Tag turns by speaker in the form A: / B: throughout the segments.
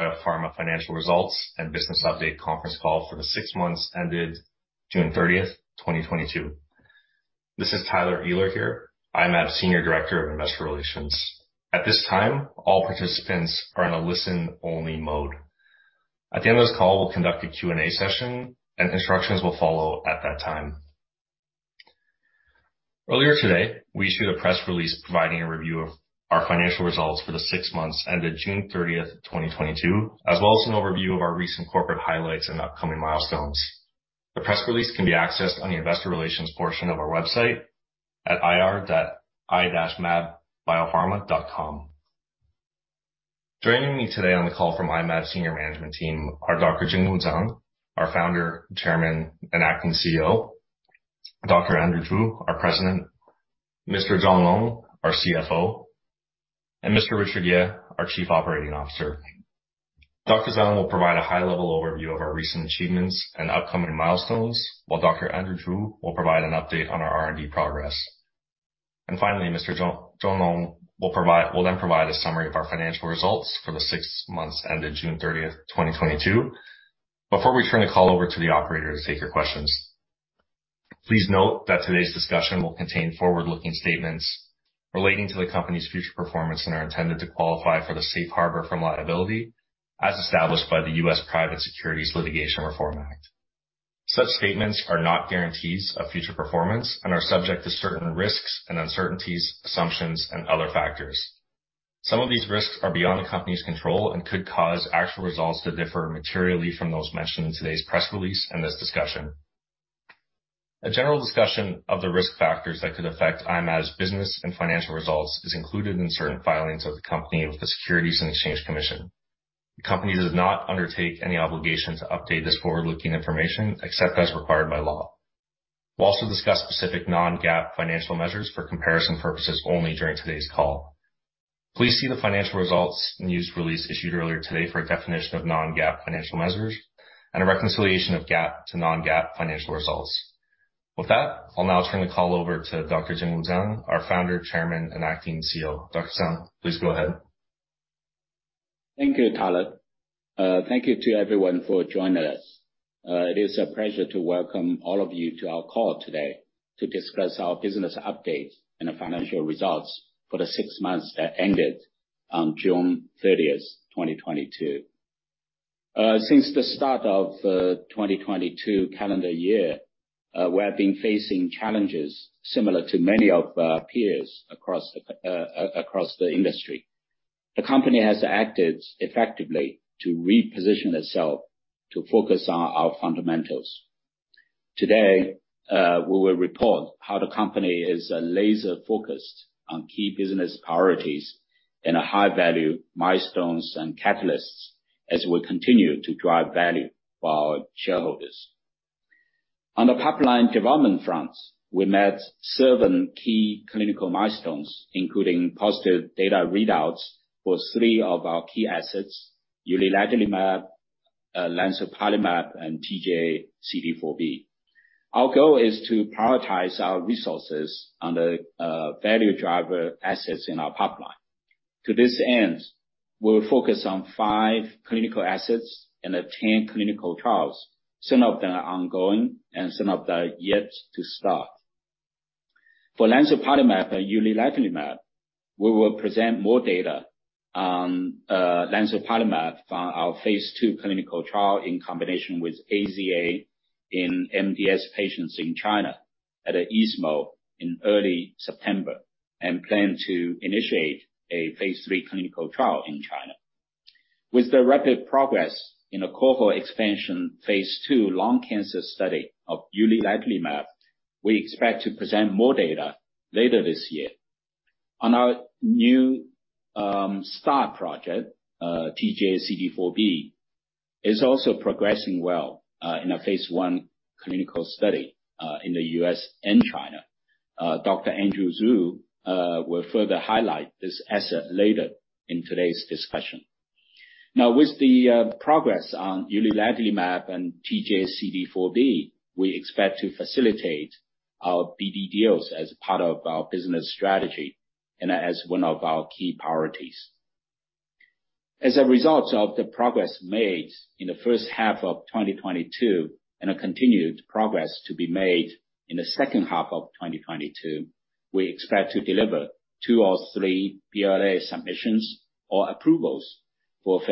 A: Biopharma financial results and business update conference call for the six months ended June 30, 2022. This is Tyler Ehler here. I'm the Senior Director of Investor Relations. At this time, all participants are in a listen-only mode. At the end of this call, we'll conduct a Q&A session and instructions will follow at that time. Earlier today, we issued a press release providing a review of our financial results for the six months ended June 30, 2022, as well as an overview of our recent corporate highlights and upcoming milestones. The press release can be accessed on the investor relations portion of our website at ir.i-mabbiopharma.com. Joining me today on the call from I-Mab senior management team are Dr. Jingwu Zang, our founder, chairman, and acting CEO, Dr. Andrew Zhu, our president, Mr. John Long, our CFO, and Mr. Richard Yeh, our Chief Operating Officer. Dr. Zhang will provide a high-level overview of our recent achievements and upcoming milestones, while Dr. Andrew Zhu will provide an update on our R&D progress. Finally, Mr. John Long will then provide a summary of our financial results for the six months ended June 30, 2022. Before we turn the call over to the operator to take your questions, please note that today's discussion will contain forward-looking statements relating to the company's future performance and are intended to qualify for the safe harbor from liability as established by the U.S. Private Securities Litigation Reform Act. Such statements are not guarantees of future performance and are subject to certain risks and uncertainties, assumptions, and other factors. Some of these risks are beyond the company's control and could cause actual results to differ materially from those mentioned in today's press release and this discussion. A general discussion of the risk factors that could affect NovaBridge Biosciences' business and financial results is included in certain filings of the company with the Securities and Exchange Commission. The company does not undertake any obligation to update this forward-looking information except as required by law. We'll also discuss specific non-GAAP financial measures for comparison purposes only during today's call. Please see the financial results news release issued earlier today for a definition of non-GAAP financial measures and a reconciliation of GAAP to non-GAAP financial results. With that, I'll now turn the call over to Dr. Jingwu Zang, our Founder, Chairman, and Acting CEO. Dr. Zang, please go ahead.
B: Thank you, Tyler. Thank you to everyone for joining us. It is a pleasure to welcome all of you to our call today to discuss our business updates and the financial results for the six months that ended on June 30th, 2022. Since the start of 2022 calendar year, we have been facing challenges similar to many of our peers across the industry. The company has acted effectively to reposition itself to focus on our fundamentals. Today, we will report how the company is laser-focused on key business priorities and high-value milestones and catalysts as we continue to drive value for our shareholders. On the pipeline development fronts, we met seven key clinical milestones, including positive data readouts for three of our key assets: uliledlimab, lemzoparlimab, and TJ-CD4B. Our goal is to prioritize our resources on the value driver assets in our pipeline. To this end, we'll focus on five clinical assets and 10 clinical trials. Some of them are ongoing, and some of them are yet to start. For lemzoparlimab and uliledlimab, we will present more data on lemzoparlimab for our phase II clinical trial in combination with AZA in MDS patients in China at ESMO in early September and plan to initiate a phase III clinical trial in China. With the rapid progress in a cohort expansion phase II lung cancer study of uliledlimab, we expect to present more data later this year. On our new star project, TJCD4B, is also progressing well in a phase I clinical study in the U.S. and China. Dr. Andrew Zhu will further highlight this asset later in today's discussion. Now, with the progress on uliledlimab and TJCD4B, we expect to facilitate our BD deals as part of our business strategy and as one of our key priorities. As a result of the progress made in the first half of 2022 and continued progress to be made in the second half of 2022, we expect to deliver two or three BLA submissions or approvals for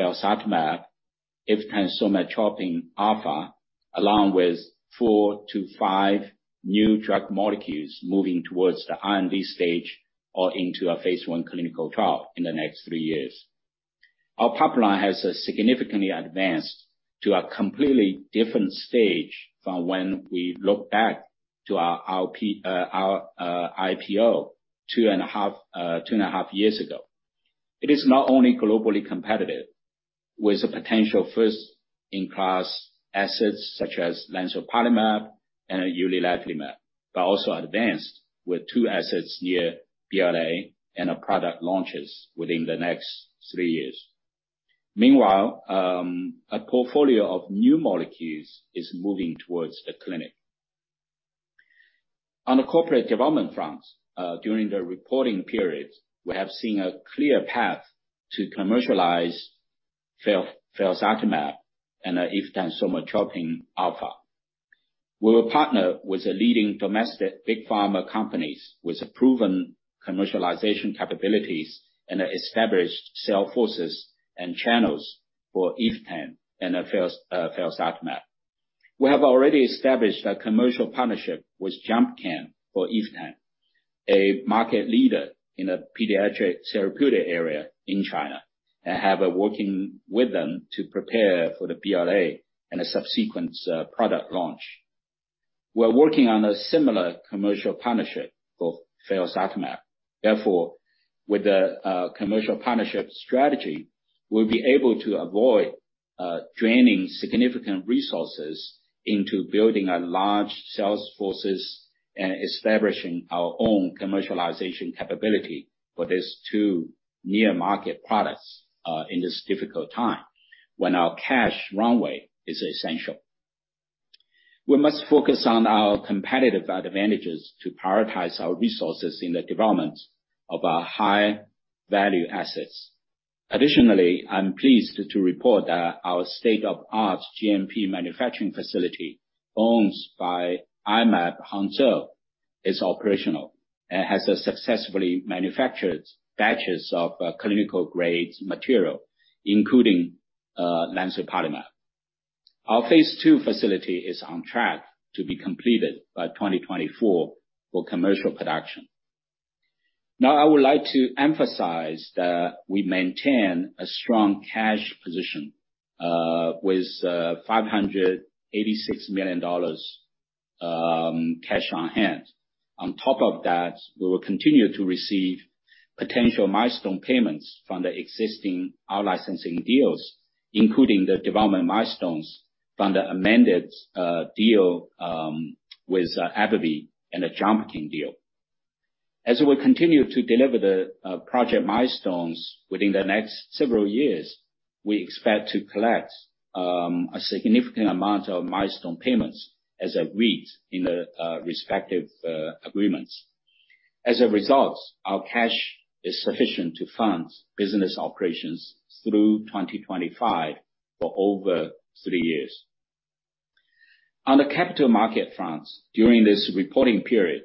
B: eftansomatropin alfa, along with four to five new drug molecules moving towards the R&D stage or into a phase I clinical trial in the next three years. Our pipeline has significantly advanced to a completely different stage from when we look back to our IPO two and a half years ago. It is not only globally competitive with the potential first-in-class assets such as lemzoparlimab and uliledlimab, but also advanced with two assets near BLA and a product launches within the next three years. Meanwhile, a portfolio of new molecules is moving towards the clinic. On the corporate development fronts, during the reporting periods, we have seen a clear path to commercialize felzartamab and eftansomatropin alfa. We're a partner with the leading domestic big pharma companies with proven commercialization capabilities and established sales forces and channels for eftan and felzartamab. We have already established a commercial partnership with Jumpcan for eftan, a market leader in the pediatric therapeutic area in China, and have been working with them to prepare for the BLA and a subsequent product launch. We're working on a similar commercial partnership for felzartamab. Therefore, with the commercial partnership strategy, we'll be able to avoid draining significant resources into building a large sales forces and establishing our own commercialization capability for these two near market products in this difficult time when our cash runway is essential. We must focus on our competitive advantages to prioritize our resources in the development of our high value assets. Additionally, I'm pleased to report that our state-of-the-art GMP manufacturing facility, owned by I-Mab Hangzhou, is operational, and has successfully manufactured batches of clinical-grade material, including lemzoparlimab. Our phase two facility is on track to be completed by 2024 for commercial production. Now, I would like to emphasize that we maintain a strong cash position with $586 million cash on hand. On top of that, we will continue to receive potential milestone payments from the existing out-licensing deals, including the development milestones from the amended deal with AbbVie and the Jumpcan deal. As we continue to deliver the project milestones within the next several years, we expect to collect a significant amount of milestone payments as agreed in the respective agreements. As a result, our cash is sufficient to fund business operations through 2025 for over three years. On the capital market fronts, during this reporting period,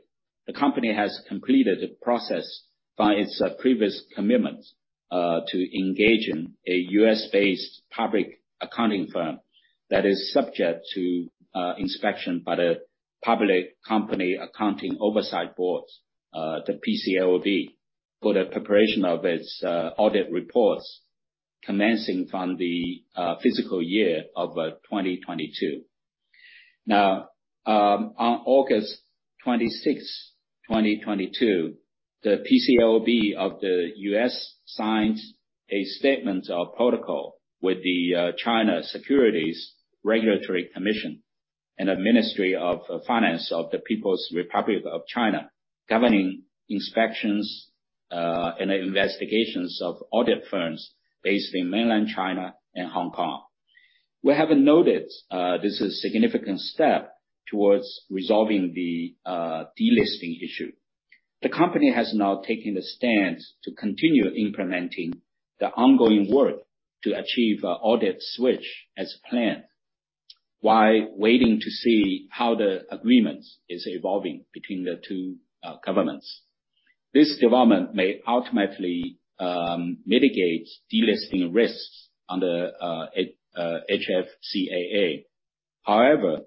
B: the company has completed the process by its previous commitments to engage a U.S.-based public accounting firm that is subject to inspection by the Public Company Accounting Oversight Board, the PCAOB, for the preparation of its audit reports commencing from the fiscal year of 2022. Now, on August 26, 2022, the PCAOB of the U.S. signed a statement of protocol with the China Securities Regulatory Commission and the Ministry of Finance of the People's Republic of China governing inspections and investigations of audit firms based in mainland China and Hong Kong. We have noted this is a significant step towards resolving the delisting issue. The company has now taken the stance to continue implementing the ongoing work to achieve audit switch as planned while waiting to see how the agreement is evolving between the two governments. This development may ultimately mitigate delisting risks under HFCAA. However,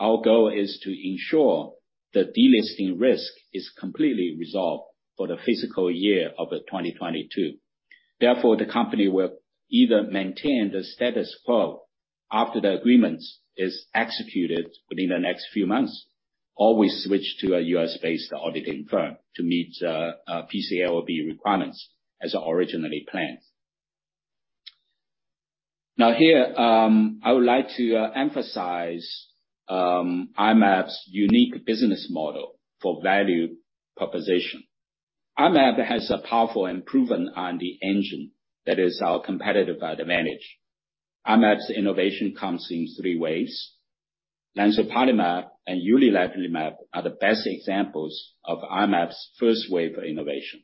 B: our goal is to ensure the delisting risk is completely resolved for the fiscal year of 2022. Therefore, the company will either maintain the status quo after the agreement is executed within the next few months, or we switch to a U.S.-based auditing firm to meet PCAOB requirements as originally planned. Now here, I would like to emphasize I-Mab's unique business model for value proposition. I-Mab has a powerful and proven R&D engine that is our competitive advantage. I-Mab's innovation comes in three ways. lemzoparlimab and uliledlimab are the best examples of I-Mab's first wave of innovation.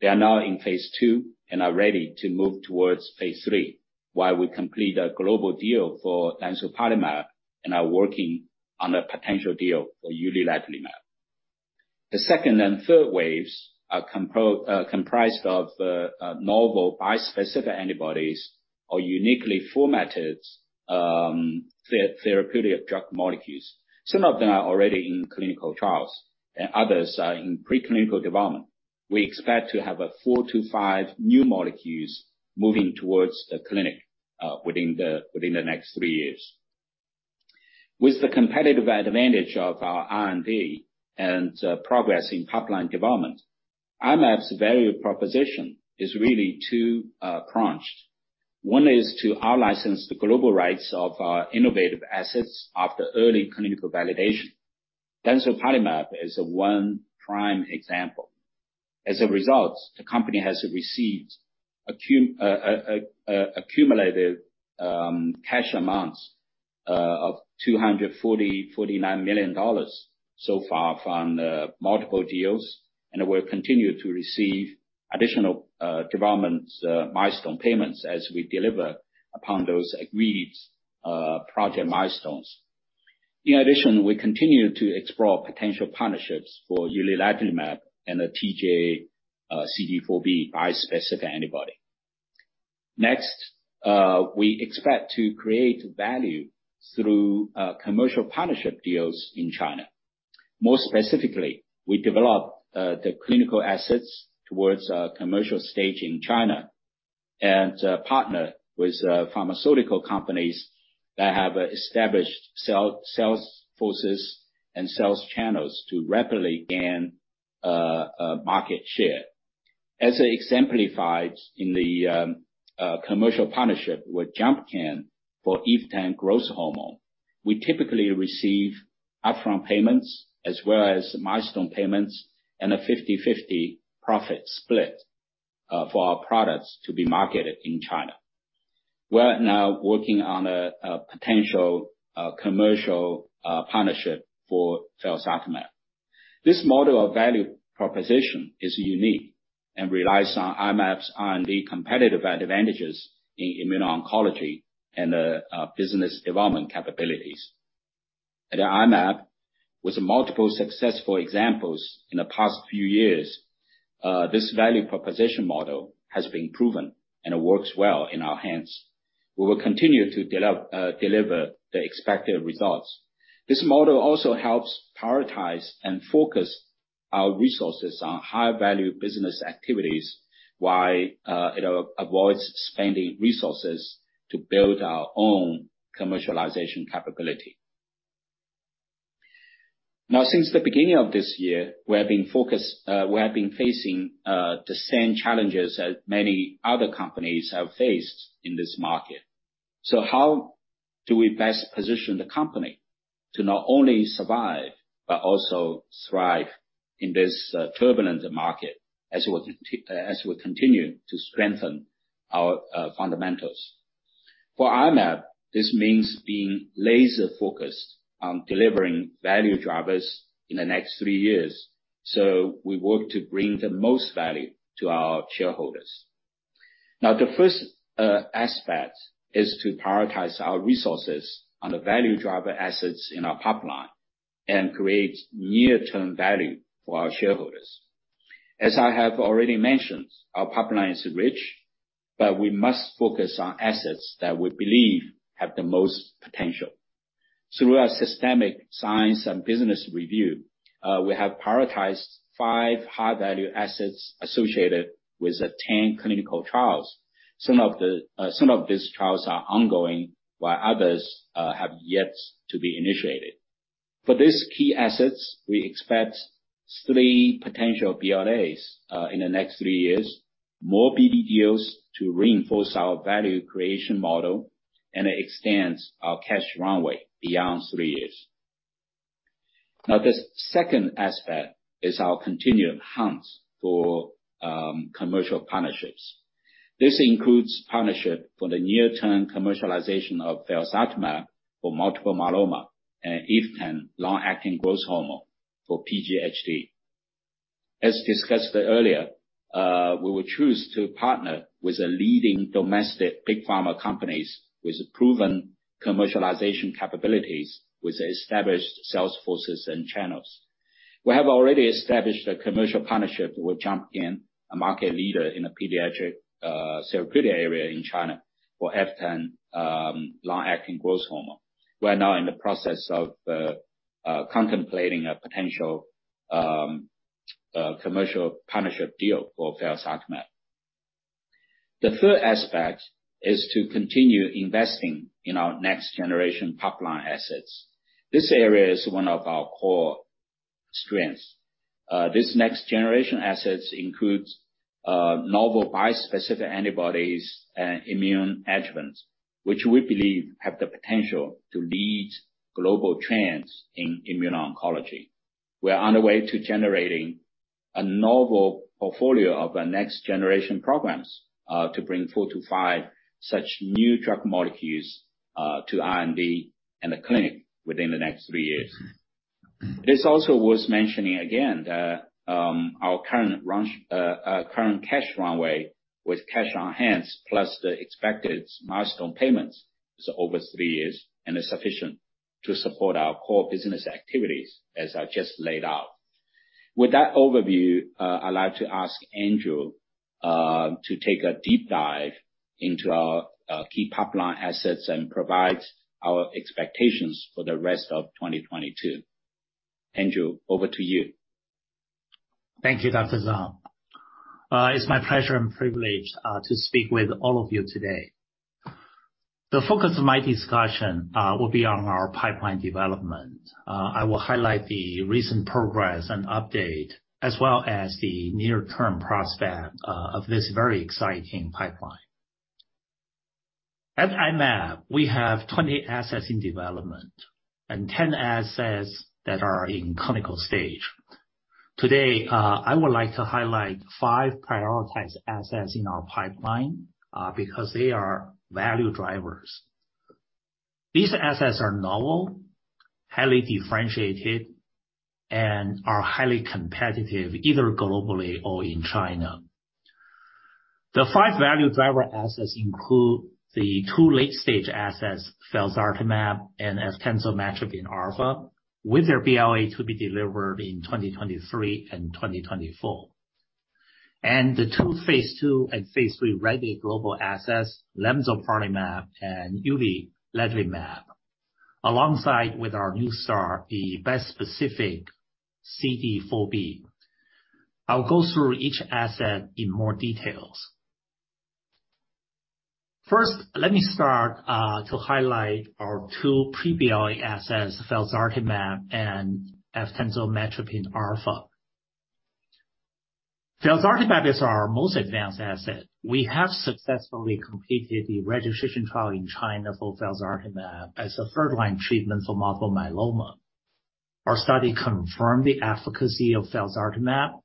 B: They are now in phase two and are ready to move towards phase three, while we complete a global deal for lemzoparlimab and are working on a potential deal for uliledlimab. The second and third waves are comprised of novel bispecific antibodies or uniquely formatted therapeutic drug molecules. Some of them are already in clinical trials, and others are in preclinical development. We expect to have four to five new molecules moving towards the clinic within the next three years. With the competitive advantage of our R&D and progress in pipeline development, I-Mab's value proposition is really two prongs. One is to out-license the global rights of our innovative assets after early clinical validation. lemzoparlimab is one prime example. As a result, the company has received accumulated cash amounts of $249 million so far from the multiple deals, and will continue to receive additional development milestone payments as we deliver upon those agreed project milestones. In addition, we continue to explore potential partnerships for uliledlimab and a TJ-CD4B bispecific antibody. Next, we expect to create value through commercial partnership deals in China. More specifically, we develop the clinical assets towards a commercial stage in China, and partner with pharmaceutical companies that have established sales forces and sales channels to rapidly gain market share. As exemplified in the commercial partnership with Jumpcan for eftansomatropin alfa, we typically receive upfront payments as well as milestone payments and a 50/50 profit split for our products to be marketed in China. We're now working on a potential commercial partnership for felzartamab. This model of value proposition is unique and relies on I-Mab's R&D competitive advantages in immuno-oncology and business development capabilities. At I-Mab, with multiple successful examples in the past few years, this value proposition model has been proven and it works well in our hands. We will continue to deliver the expected results. This model also helps prioritize and focus our resources on high-value business activities, while it avoids spending resources to build our own commercialization capability. Now, since the beginning of this year, we have been facing the same challenges as many other companies have faced in this market. How do we best position the company to not only survive, but also thrive in this turbulent market as we continue to strengthen our fundamentals? For I-Mab, this means being laser-focused on delivering value drivers in the next three years, so we work to bring the most value to our shareholders. Now, the first aspect is to prioritize our resources on the value driver assets in our pipeline and create near-term value for our shareholders. As I have already mentioned, our pipeline is rich, but we must focus on assets that we believe have the most potential. Through our systematic science and business review, we have prioritized five high-value assets associated with 10 clinical trials. Some of these trials are ongoing, while others have yet to be initiated. For these key assets, we expect three potential BLAs in the next three years, more BD deals to reinforce our value creation model, and it extends our cash runway beyond three years. Now, the second aspect is our continued hunt for commercial partnerships. This includes partnership for the near-term commercialization of felzartamab for multiple myeloma and eftan logn acting growth hormone for PGHD. As discussed earlier, we will choose to partner with the leading domestic big pharma companies with proven commercialization capabilities, with established sales forces and channels. We have already established a commercial partnership with Jumpcan, a market leader in the pediatric therapeutic area in China for eftansomatropin long-acting growth hormone. We're now in the process of contemplating a potential commercial partnership deal for felzartamab. The third aspect is to continue investing in our next-generation pipeline assets. This area is one of our core strengths. This next-generation assets includes novel bispecific antibodies and immune adjuvants, which we believe have the potential to lead global trends in immuno-oncology. We are on the way to generating a novel portfolio of our next-generation programs to bring four to five such new drug molecules to R&D and the clinic within the next three years. It's also worth mentioning again that, our current cash runway with cash on hand, plus the expected milestone payments is over three years and is sufficient to support our core business activities, as I've just laid out. With that overview, I'd like to ask Andrew to take a deep dive into our key pipeline assets and provide our expectations for the rest of 2022. Andrew, over to you.
C: Thank you, Dr. Zang. It's my pleasure and privilege to speak with all of you today. The focus of my discussion will be on our pipeline development. I will highlight the recent progress and update as well as the near-term prospect of this very exciting pipeline. At NovaBridge, we have 20 assets in development and 10 assets that are in clinical stage. Today, I would like to highlight five prioritized assets in our pipeline, because they are value drivers. These assets are novel, highly differentiated, and are highly competitive, either globally or in China. The five value driver assets include the two late-stage assets, felzartamab and eftansomatropin alfa, with their BLA to be delivered in 2023 and 2024. The two phase II and phase III ready global assets, lemzoparlimab and uliledlimab, alongside with our new star, the bispecific TJ-CD4B. I'll go through each asset in more details. First, let me start to highlight our two pre-BLA assets, felzartamab and eftansomatropin alfa. felzartamab is our most advanced asset. We have successfully completed the registration trial in China for felzartamab as a third-line treatment for multiple myeloma. Our study confirmed the efficacy of felzartamab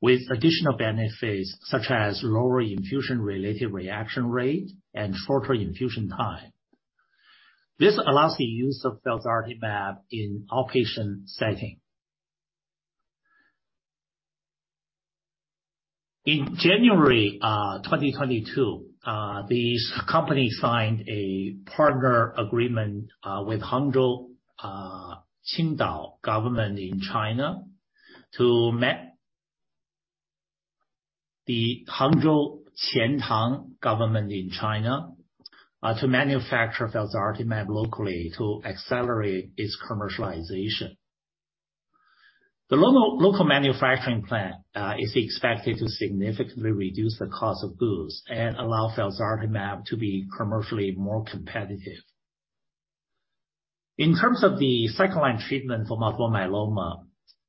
C: with additional benefits, such as lower infusion-related reaction rate and shorter infusion time. This allows the use of felzartamab in outpatient setting. In January 2022, the company signed a partner agreement with Hangzhou Qiantang government in China to manufacture felzartamab locally to accelerate its commercialization. The local manufacturing plant is expected to significantly reduce the cost of goods and allow felzartamab to be commercially more competitive. In terms of the second-line treatment for multiple myeloma,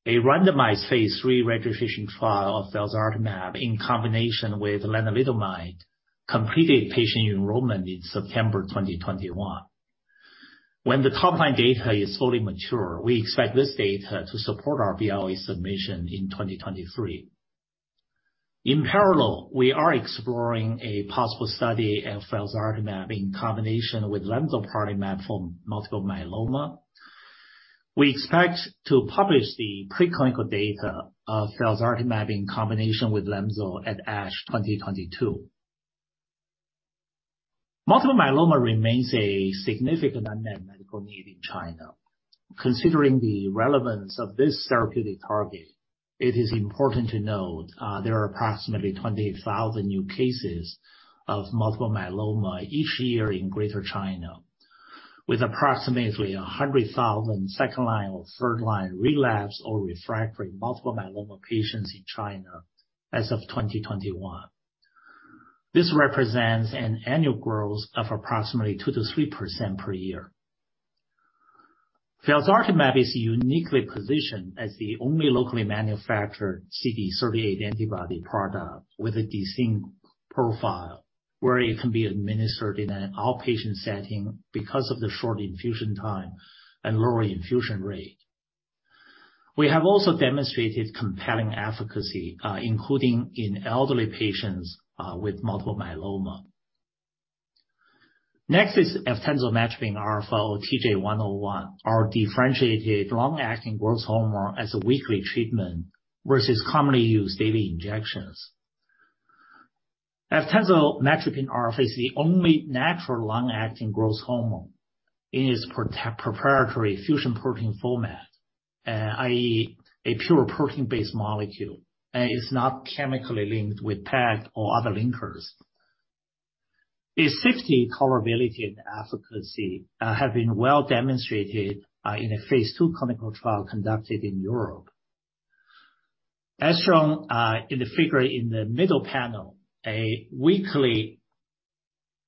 C: a randomized phase III registration trial of felzartamab, in combination with lenalidomide, completed patient enrollment in September 2021. When the top-line data is fully mature, we expect this data to support our BLA submission in 2023. In parallel, we are exploring a possible study of felzartamab in combination with lemzoparlimab for multiple myeloma. We expect to publish the pre-clinical data of felzartamab in combination with lemzo at ASH 2022. Multiple myeloma remains a significant unmet medical need in China. Considering the relevance of this therapeutic target, it is important to note, there are approximately 28,000 new cases of multiple myeloma each year in Greater China, with approximately 100,000 second-line or third-line relapse or refractory multiple myeloma patients in China as of 2021. This represents an annual growth of approximately 2%-3% per year. Felzartamab is uniquely positioned as the only locally manufactured CD38 antibody product with a distinct profile, where it can be administered in an outpatient setting because of the short infusion time and lower infusion rate. We have also demonstrated compelling efficacy, including in elderly patients, with multiple myeloma. Next is eftansomatropin alfa or TJ101, our differentiated long-acting growth hormone as a weekly treatment versus commonly used daily injections. Eftansomatropin alfa is the only natural long-acting growth hormone in its proprietary fusion protein format, i.e. a pure protein-based molecule, and it's not chemically linked with PEG or other linkers. Its safety, tolerability, and efficacy, have been well-demonstrated, in a phase II clinical trial conducted in Europe. As shown in the figure in the middle panel, a weekly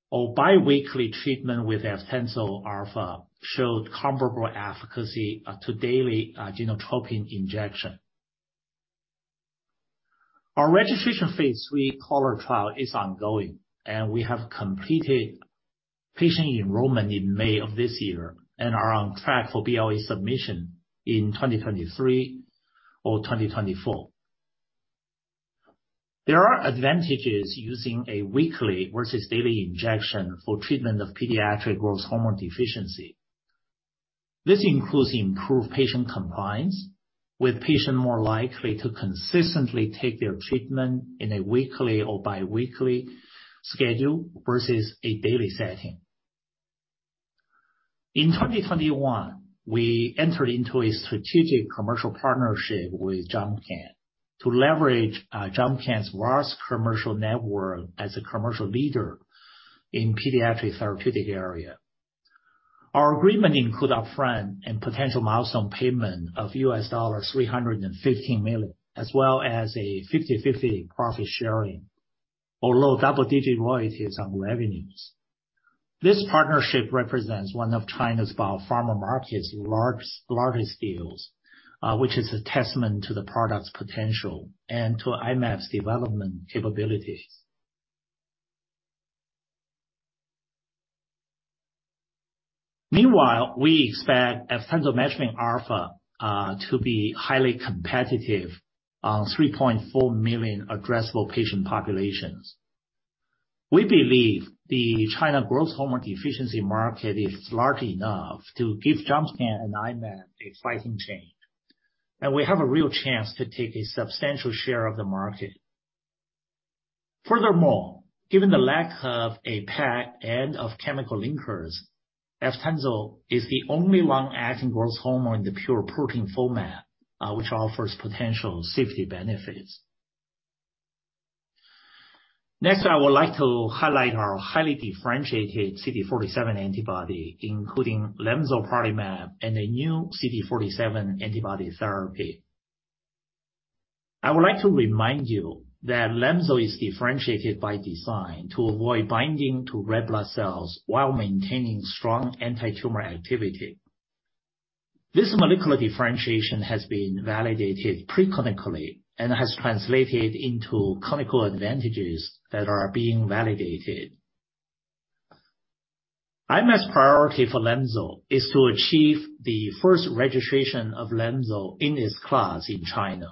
C: or biweekly treatment with eftansomatropin alfa showed comparable efficacy to daily Genotropin injection. Our registration phase III TALLER trial is ongoing, and we have completed patient enrollment in May of this year, and are on track for BLA submission in 2023 or 2024. There are advantages using a weekly versus daily injection for treatment of pediatric growth hormone deficiency. This includes improved patient compliance, with patient more likely to consistently take their treatment in a weekly or biweekly schedule versus a daily setting. In 2021, we entered into a strategic commercial partnership with Jumpcan to leverage Jumpcan's vast commercial network as a commercial leader in pediatric therapeutic area. Our agreement includes upfront and potential milestone payments of $350 million, as well as a 50/50 profit sharing or low double-digit royalties on revenues. This partnership represents one of the largest deals in China's biopharma market, which is a testament to the product's potential and to I-Mab's development capabilities. Meanwhile, we expect eftansomatropin alfa to be highly competitive on 3.4 million addressable patient population. We believe the China growth hormone deficiency market is large enough to give Jumpcan and I-Mab a fighting chance, and we have a real chance to take a substantial share of the market. Furthermore, given the lack of a PEG and of chemical linkers, eftansomatropin alfa is the only long-acting growth hormone in the pure protein format, which offers potential safety benefits. Next, I would like to highlight our highly differentiated CD47 antibody, including lemzoparlimab and a new CD47 antibody therapy. I would like to remind you that lemzoparlimab is differentiated by design to avoid binding to red blood cells while maintaining strong antitumor activity. This molecular differentiation has been validated pre-clinically and has translated into clinical advantages that are being validated. I-Mab's priority for lemzoparlimab is to achieve the first registration of lemzoparlimab in its class in China.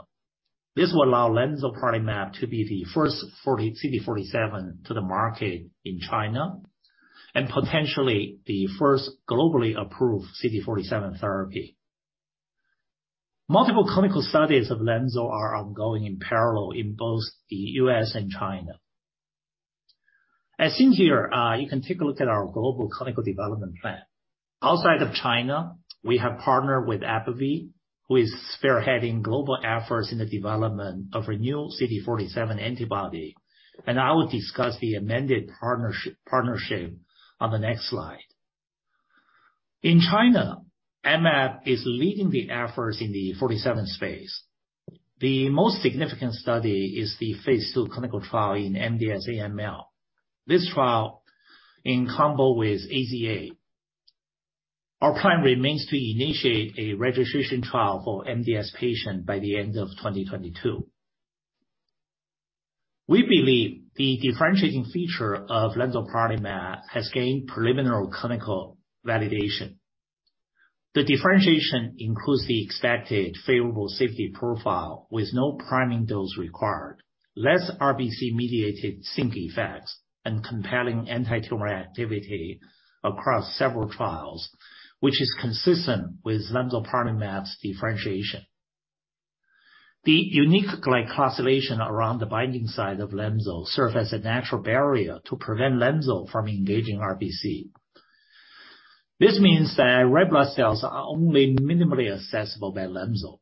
C: This will allow lemzoparlimab to be the first CD47 to the market in China and potentially the first globally approved CD47 therapy. Multiple clinical studies of lemzoparlimab are ongoing in parallel in both the U.S. and China. As seen here, you can take a look at our global clinical development plan. Outside of China, we have partnered with AbbVie, who is spearheading global efforts in the development of a new CD47 antibody, and I will discuss the amended partnership on the next slide. In China, I-Mab is leading the efforts in the CD47 space. The most significant study is the phase II clinical trial in MDS-AML, this trial in combo with AZA. Our plan remains to initiate a registration trial for MDS patient by the end of 2022. We believe the differentiating feature of lemzoparlimab has gained preliminary clinical validation. The differentiation includes the expected favorable safety profile with no priming dose required, less RBC-mediated sink effects, and compelling antitumor activity across several trials, which is consistent with lemzoparlimab's differentiation. The unique glycosylation around the binding site of lemzoparlimab serve as a natural barrier to prevent lemzoparlimab from engaging RBC. This means that red blood cells are only minimally accessible by lemzoparlimab.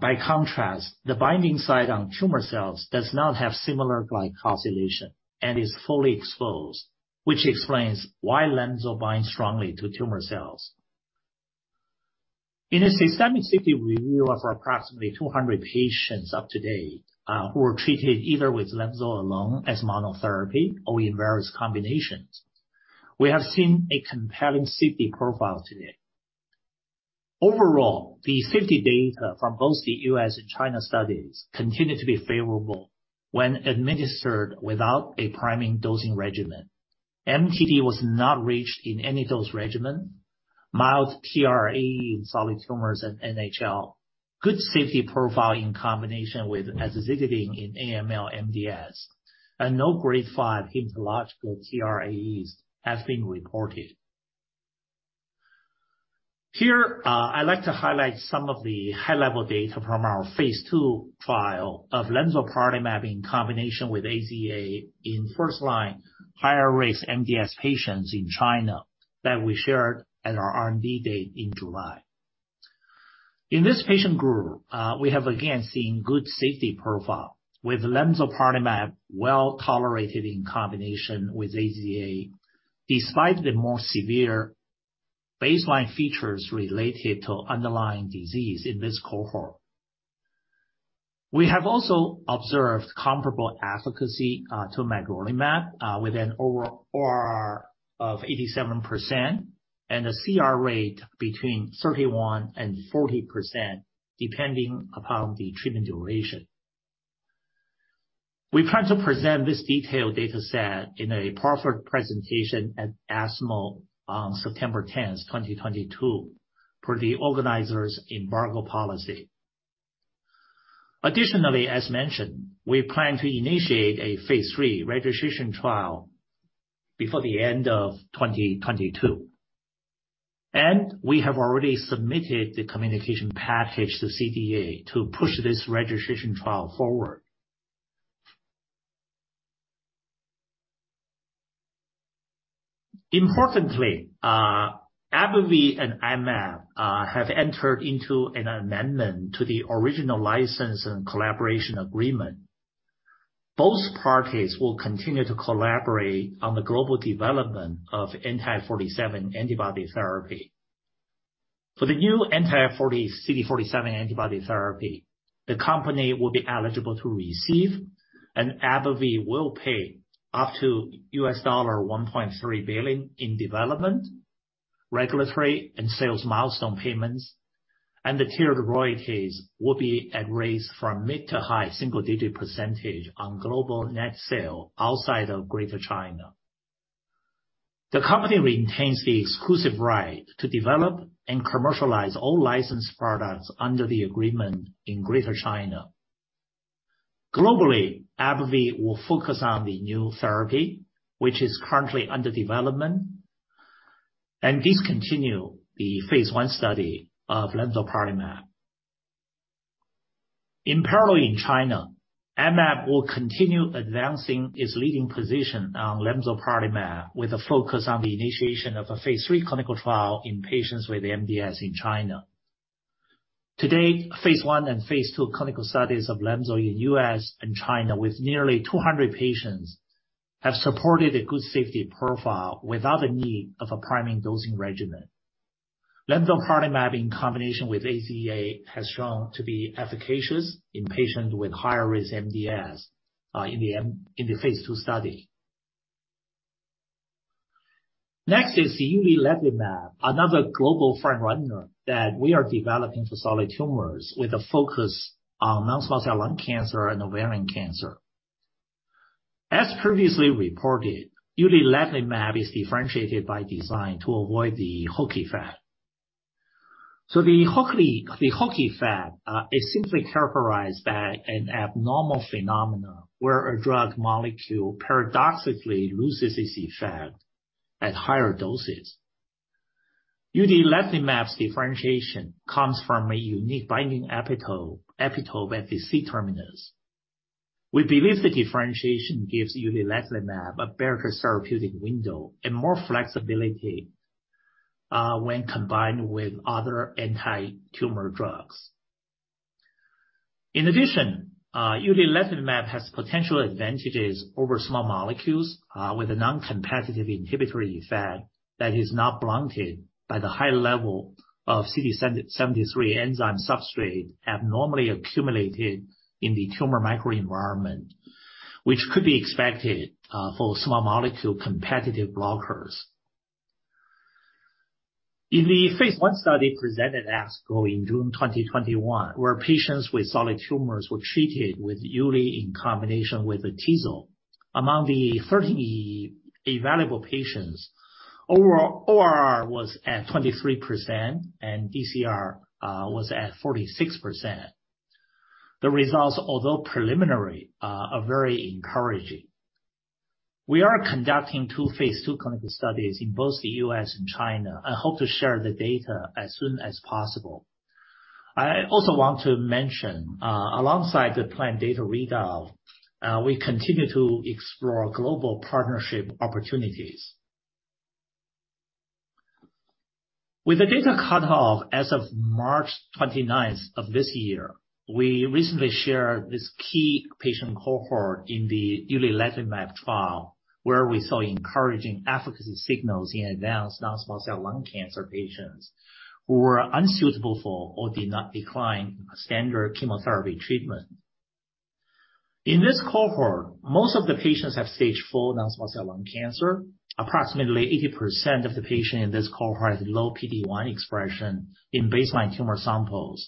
C: By contrast, the binding site on tumor cells does not have similar glycosylation and is fully exposed, which explains why lemzoparlimab binds strongly to tumor cells. In a systemic safety review of approximately 200 patients to date, who were treated either with lemzoparlimab alone as monotherapy or in various combinations, we have seen a compelling safety profile to date. Overall, the safety data from both the U.S. and China studies continue to be favorable when administered without a priming dosing regimen. MTD was not reached in any dose regimen. Mild TRAE in solid tumors and NHL. Good safety profile in combination with azacitidine in AML-MDS, and no grade five hematological TRAEs have been reported. Here, I'd like to highlight some of the high-level data from our phase II trial of lemzoparlimab in combination with AZA in first-line higher-risk MDS patients in China that we shared at our R&D Day in July. In this patient group, we have again seen good safety profile with lemzoparlimab well-tolerated in combination with AZA, despite the more severe baseline features related to underlying disease in this cohort. We have also observed comparable efficacy to magrolimab with an overall ORR of 87% and a CR rate between 31% and 40%, depending upon the treatment duration. We plan to present this detailed dataset in a proper presentation at ESMO on September 10th, 2022 per the organizer's embargo policy. As mentioned, we plan to initiate a phase III registration trial before the end of 2022, and we have already submitted the communication package to CDE to push this registration trial forward. Importantly, AbbVie and I-Mab have entered into an amendment to the original license and collaboration agreement. Both parties will continue to collaborate on the global development of anti-CD47 antibody therapy. For the new anti-CD47 antibody therapy, the company will be eligible to receive and AbbVie will pay up to $1.3 billion in development, regulatory and sales milestone payments. And the tiered royalties will be at rates from mid- to high-single-digit percentage on global net sales outside of Greater China. The company retains the exclusive right to develop and commercialize all licensed products under the agreement in Greater China. Globally, AbbVie will focus on the new therapy, which is currently under development, and discontinue the phase I study of lemzoparlimab. In parallel, in China, I-Mab will continue advancing its leading position on lemzoparlimab with a focus on the initiation of a phase III clinical trial in patients with MDS in China. To date, phase I and phase II clinical studies of lemzoparlimab in U.S. and China with nearly 200 patients have supported a good safety profile without the need of a priming dosing regimen. lemzoparlimab in combination with AZA has shown to be efficacious in patients with higher risk MDS in the phase II study. Next is the uliledlimab, another global front-runner that we are developing for solid tumors with a focus on non-small cell lung cancer and ovarian cancer. As previously reported, uliledlimab is differentiated by design to avoid the hook effect. The hook effect is simply characterized by an abnormal phenomenon where a drug molecule paradoxically loses its effect at higher doses. Uliledlimab's differentiation comes from a unique binding epitope Fc terminus. We believe the differentiation gives uliledlimab a better therapeutic window and more flexibility when combined with other antitumor drugs. In addition, uliledlimab has potential advantages over small molecules with a non-competitive inhibitory effect that is not blunted by the high level of CD73 enzyme substrate abnormally accumulated in the tumor microenvironment, which could be expected for small molecule competitive blockers. In the phase I study presented at ASCO in June 2021, where patients with solid tumors were treated with uliledlimab in combination with atezolizumab. Among the 30 evaluable patients, ORR was at 23% and DCR was at 46%. The results, although preliminary, are very encouraging. We are conducting two phase II clinical studies in both the U.S. and China. I hope to share the data as soon as possible. I also want to mention, alongside the planned data readout, we continue to explore global partnership opportunities. With the data cutoff as of March 29th of this year, we recently shared this key patient cohort in the uliledlimab trial where we saw encouraging efficacy signals in advanced non-small cell lung cancer patients who were unsuitable for or did not decline standard chemotherapy treatment. In this cohort, most of the patients have stage IV non-small cell lung cancer. Approximately 80% of the patients in this cohort have low PD-1 expression in baseline tumor samples,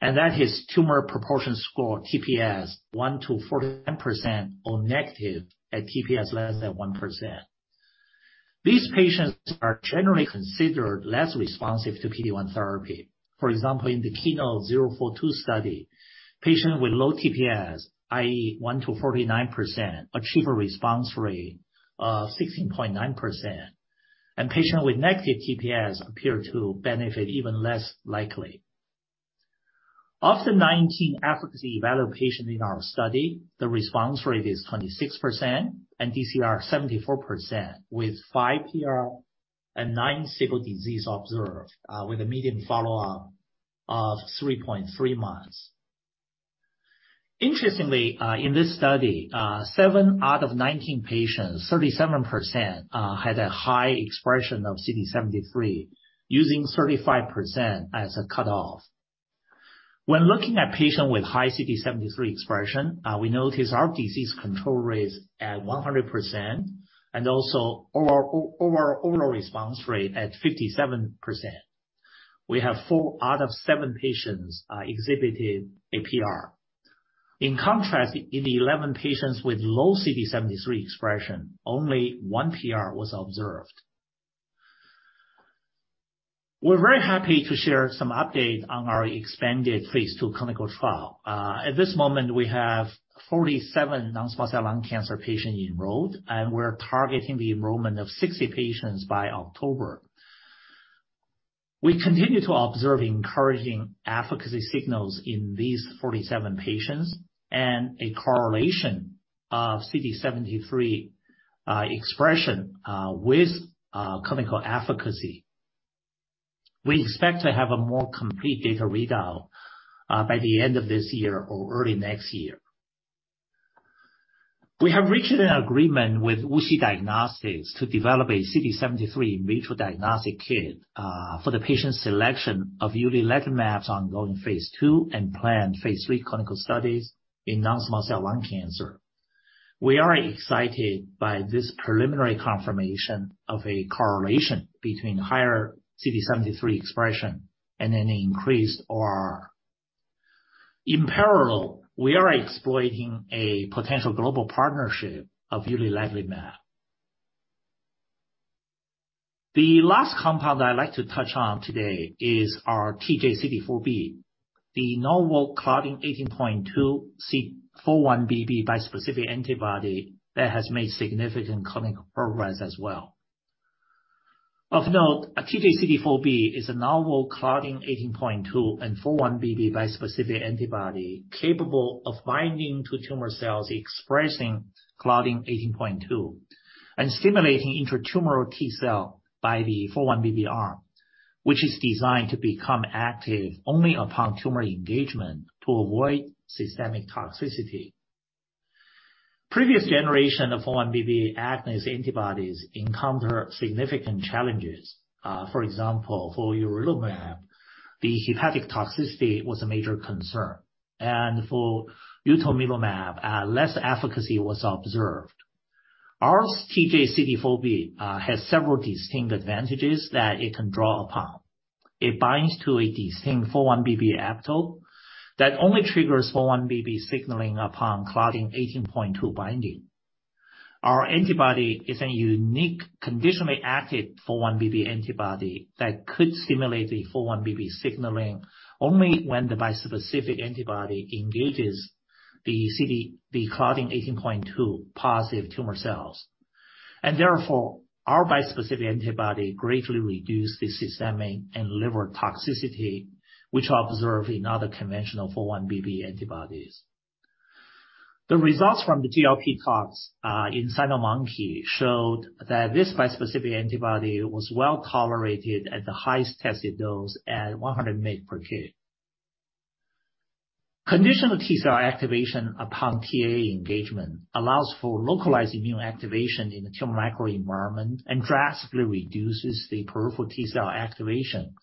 C: and that is tumor proportion score, TPS, 1%-49% or negative at TPS <1%. These patients are generally considered less responsive to PD-1 therapy. For example, in the KEYNOTE-042 study, patients with low TPS, i.e., 1%-49%, achieve a response rate of 16.9%, and patients with negative TPS appear to benefit even less likely. Of the 19 efficacy-evaluable patients in our study, the response rate is 26% and DCR 74%, with five PR and 9 stable disease observed, with a median follow-up of 3.3 months. Interestingly, in this study, seven out of 19 patients, 37%, had a high expression of CD73, using 35% as a cutoff. When looking at patients with high CD73 expression, we notice our disease control rate at 100% and also our overall response rate at 57%. We have four out of seven patients exhibited PR. In contrast, in the 11 patients with low CD73 expression, only one PR was observed. We're very happy to share some update on our expanded phase II clinical trial. At this moment, we have 47 non-small cell lung cancer patients enrolled, and we're targeting the enrollment of 60 patients by October. We continue to observe encouraging efficacy signals in these 47 patients and a correlation of CD73 expression with clinical efficacy. We expect to have a more complete data readout by the end of this year or early next year. We have reached an agreement with WuXi Diagnostics to develop a CD73 companion diagnostic kit for the patient selection of uliledlimab's ongoing phase II and planned phase III clinical studies in non-small cell lung cancer. We are excited by this preliminary confirmation of a correlation between higher CD73 expression and an increased OR. In parallel, we are exploiting a potential global partnership of uliledlimab. The last compound I'd like to touch on today is our TJCD4B, the novel Claudin 18.2 x 4-1BB bispecific antibody that has made significant clinical progress as well. Of note, TJ-CD4B is a novel Claudin 18.2 and 4-1BB bispecific antibody capable of binding to tumor cells expressing Claudin 18.2, and stimulating intra-tumor T cell by the 4-1BB arm, which is designed to become active only upon tumor engagement to avoid systemic toxicity. Previous generation of 4-1BB agonist antibodies encounter significant challenges. For example, for urelumab, the hepatic toxicity was a major concern, and for utomilumab, less efficacy was observed. Our TJ-CD4B has several distinct advantages that it can draw upon. It binds to a distinct 4-1BB epitope that only triggers 4-1BB signaling upon Claudin 18.2 binding. Our antibody is a unique, conditionally active 4-1BB antibody that could stimulate the 4-1BB signaling only when the bispecific antibody engages the CD, the Claudin 18.2 positive tumor cells. Therefore, our bispecific antibody greatly reduce the systemic and liver toxicity, which observe in other conventional 4-1BB antibodies. The results from the GLP tox in cynomolgus monkey showed that this bispecific antibody was well-tolerated at the highest tested dose at 100 mg/kg. Conditional T-cell activation upon TAA engagement allows for localized immune activation in the tumor microenvironment and drastically reduces the peripheral T-cell activation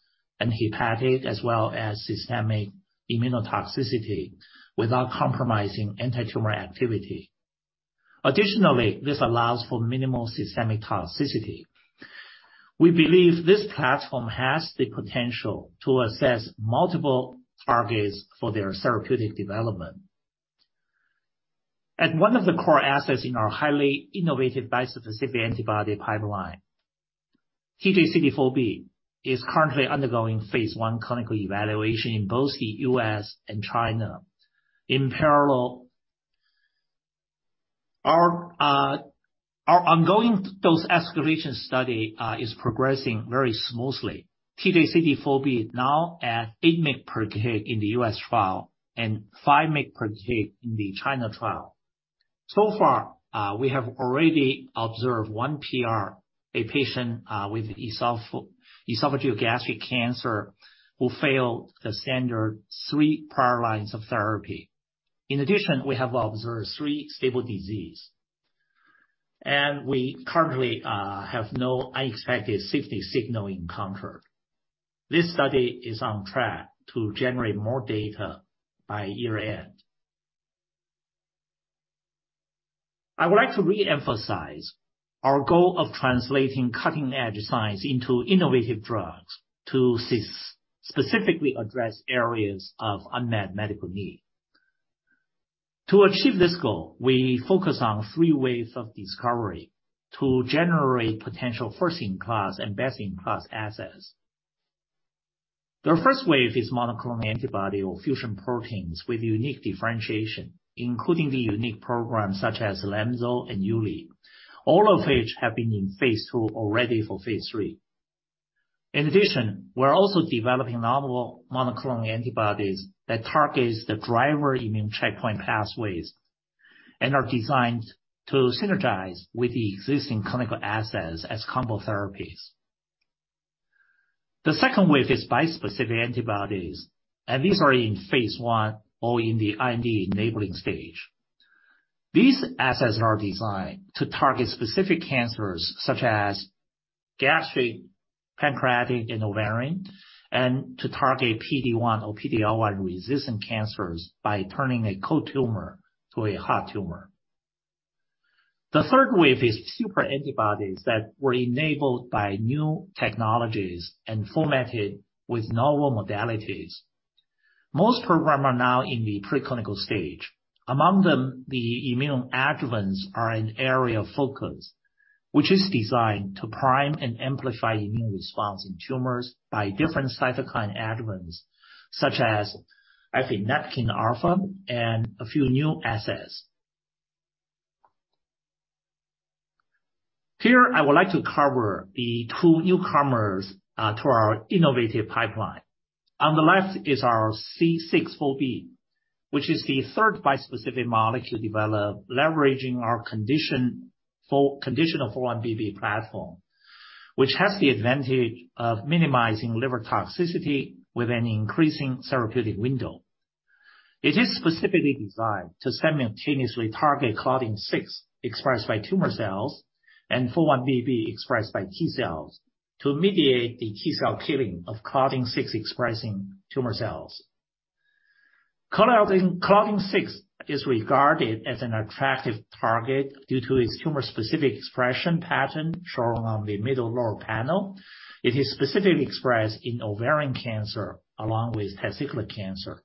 C: and hepatic as well as systemic immunotoxicity without compromising antitumor activity. Additionally, this allows for minimal systemic toxicity. We believe this platform has the potential to assess multiple targets for their therapeutic development. At one of the core assets in our highly innovative bispecific antibody pipeline, TJCD4B is currently undergoing phase I clinical evaluation in both the U.S. and China. In parallel, our ongoing dose escalation study is progressing very smoothly. TJCD4B now at 8 mg/kg in the U.S. trial and 5 mg/kg in the China trial. So far, we have already observed one PR, a patient with esophagogastric cancer who failed the standard three prior lines of therapy. In addition, we have observed three stable disease. We currently have no unexpected safety signal encounter. This study is on track to generate more data by year-end. I would like to re-emphasize our goal of translating cutting-edge science into innovative drugs to specifically address areas of unmet medical need. To achieve this goal, we focus on three ways of discovery to generate potential first-in-class and best-in-class assets. The first wave is monoclonal antibody or fusion proteins with unique differentiation, including the unique programs such as lemzop and uli, all of which have been in phase II already for phase III. In addition, we're also developing novel monoclonal antibodies that targets the driver immune checkpoint pathways and are designed to synergize with the existing clinical assets as combo therapies. The second wave is bispecific antibodies, and these are in phase I or in the IND-enabling stage. These assets are designed to target specific cancers such as gastric, pancreatic, and ovarian, and to target PD-1 or PD-L1 resistant cancers by turning a cold tumor to a hot tumor. The third wave is super antibodies that were enabled by new technologies and formatted with novel modalities. Most program are now in the preclinical stage. Among them, the immune adjuvants are an area of focus, which is designed to prime and amplify immune response in tumors by different cytokine adjuvants such as interferon alpha and a few new assets. Here, I would like to cover the two newcomers to our innovative pipeline. On the left is our TJC64B, which is the third bispecific molecule developed leveraging our conditional 4-1BB platform, which has the advantage of minimizing liver toxicity with an increasing therapeutic window. It is specifically designed to simultaneously target Claudin 6 expressed by tumor cells and 4-1BB expressed by T cells to mediate the T cell killing of Claudin 6 expressing tumor cells. Claudin 6 is regarded as an attractive target due to its tumor-specific expression pattern shown on the middle lower panel. It is specifically expressed in ovarian cancer along with testicular cancer.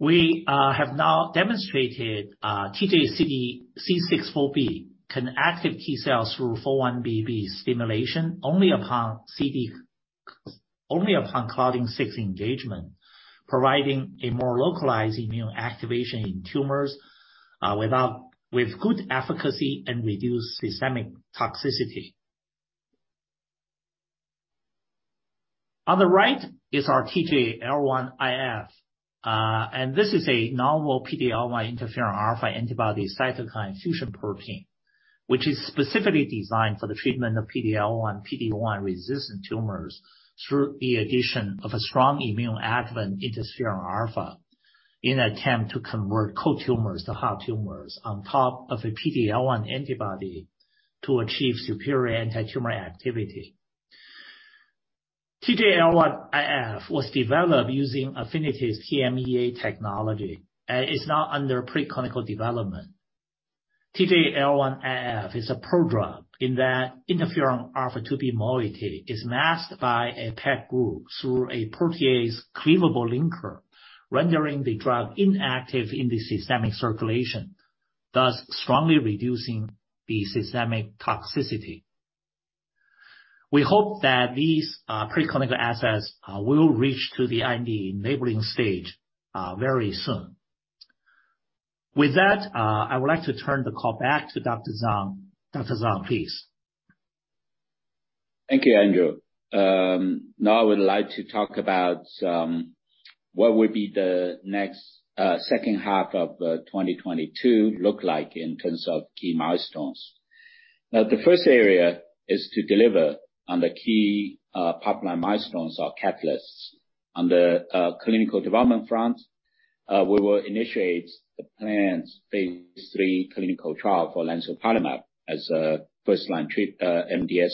C: We have now demonstrated TJC64B can activate T-cells through 4-1BB stimulation only upon Claudin 6 engagement, providing a more localized immune activation in tumors with good efficacy and reduced systemic toxicity. On the right is our TJL1IF, and this is a novel PD-L1 interferon alpha antibody cytokine fusion protein, which is specifically designed for the treatment of PD-L1, PD-1 resistant tumors through the addition of a strong immune adjuvant interferon alpha in an attempt to convert cold tumors to hot tumors on top of a PD-L1 antibody to achieve superior antitumor activity. TJL1IF was developed using Affinity's TMEA technology and is now under preclinical development. TJL1IF is a prodrug in that interferon alfa-2b moiety is masked by a PEG group through a protease-cleavable linker, rendering the drug inactive in the systemic circulation, thus strongly reducing the systemic toxicity. We hope that these preclinical assets will reach to the IND-enabling stage very soon. With that, I would like to turn the call back to Dr. Zang. Dr. Zang, please.
B: Thank you, Andrew. Now I would like to talk about what the second half of 2022 would look like in terms of key milestones. Now, the first area is to deliver on the key pipeline milestones or catalysts. On the clinical development front, we will initiate the planned phase III clinical trial for lemzoparlimab as a first-line treatment for MDS.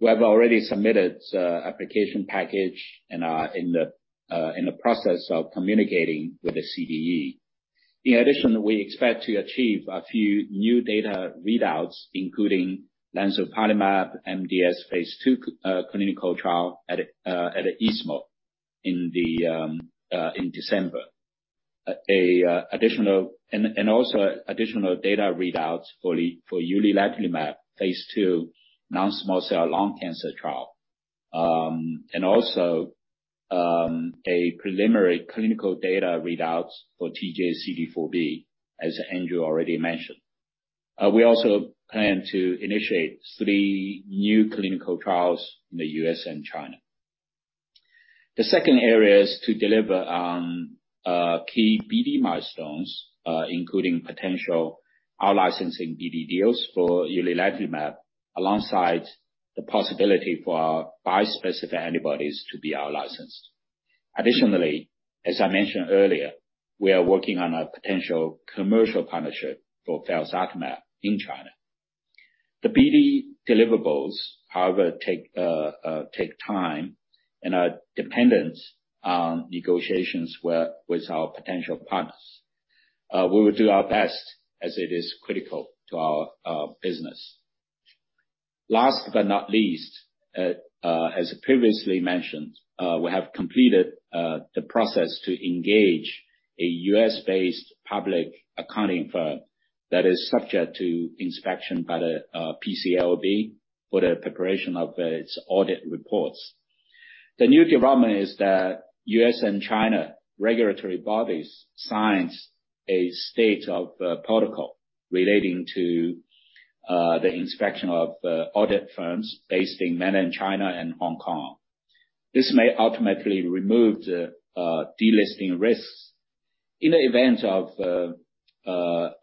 B: We have already submitted application package and are in the process of communicating with the CDE. In addition, we expect to achieve a few new data readouts, including lemzoparlimab MDS phase II clinical trial at ASH in December. Also additional data readouts for uliledlimab phase II non-small cell lung cancer trial. A preliminary clinical data readouts for TJ-CD4B, as Andrew already mentioned. We also plan to initiate three new clinical trials in the U.S. and China. The second area is to deliver on key BD milestones, including potential out-licensing BD deals for uliledlimab, alongside the possibility for our bispecific antibodies to be out-licensed. Additionally, as I mentioned earlier, we are working on a potential commercial partnership for felzartamab in China. The BD deliverables, however, take time and are dependent on negotiations with our potential partners. We will do our best as it is critical to our business. Last but not least, as previously mentioned, we have completed the process to engage a U.S.-based public accounting firm that is subject to inspection by the PCAOB for the preparation of its audit reports. The new development is that U.S. and China regulatory bodies signed a statement of protocol relating to the inspection of audit firms based in Mainland China and Hong Kong. This may ultimately remove the delisting risks. In the event of the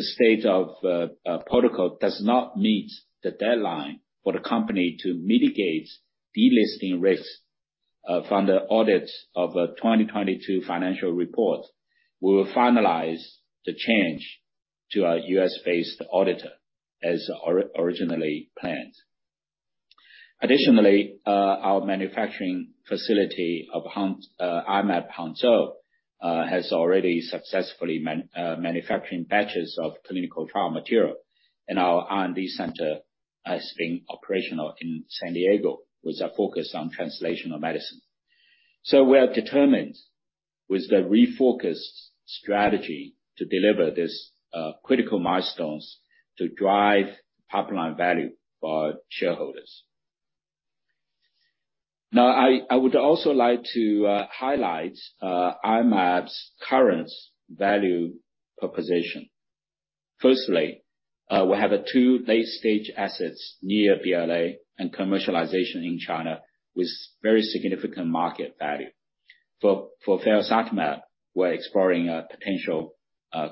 B: statement of protocol does not meet the deadline for the company to mitigate delisting risks from the audits of 2022 financial report, we will finalize the change to a U.S.-based auditor as originally planned. Additionally, our manufacturing facility of I-Mab Hangzhou has already successfully manufacturing batches of clinical trial material, and our R&D center has been operational in San Diego with a focus on translational medicine. We are determined with the refocused strategy to deliver these critical milestones to drive pipeline value for our shareholders. Now, I would also like to highlight I-Mab's current value proposition. Firstly, we have two late-stage assets near BLA and commercialization in China with very significant market value. For felzartamab, we're exploring a potential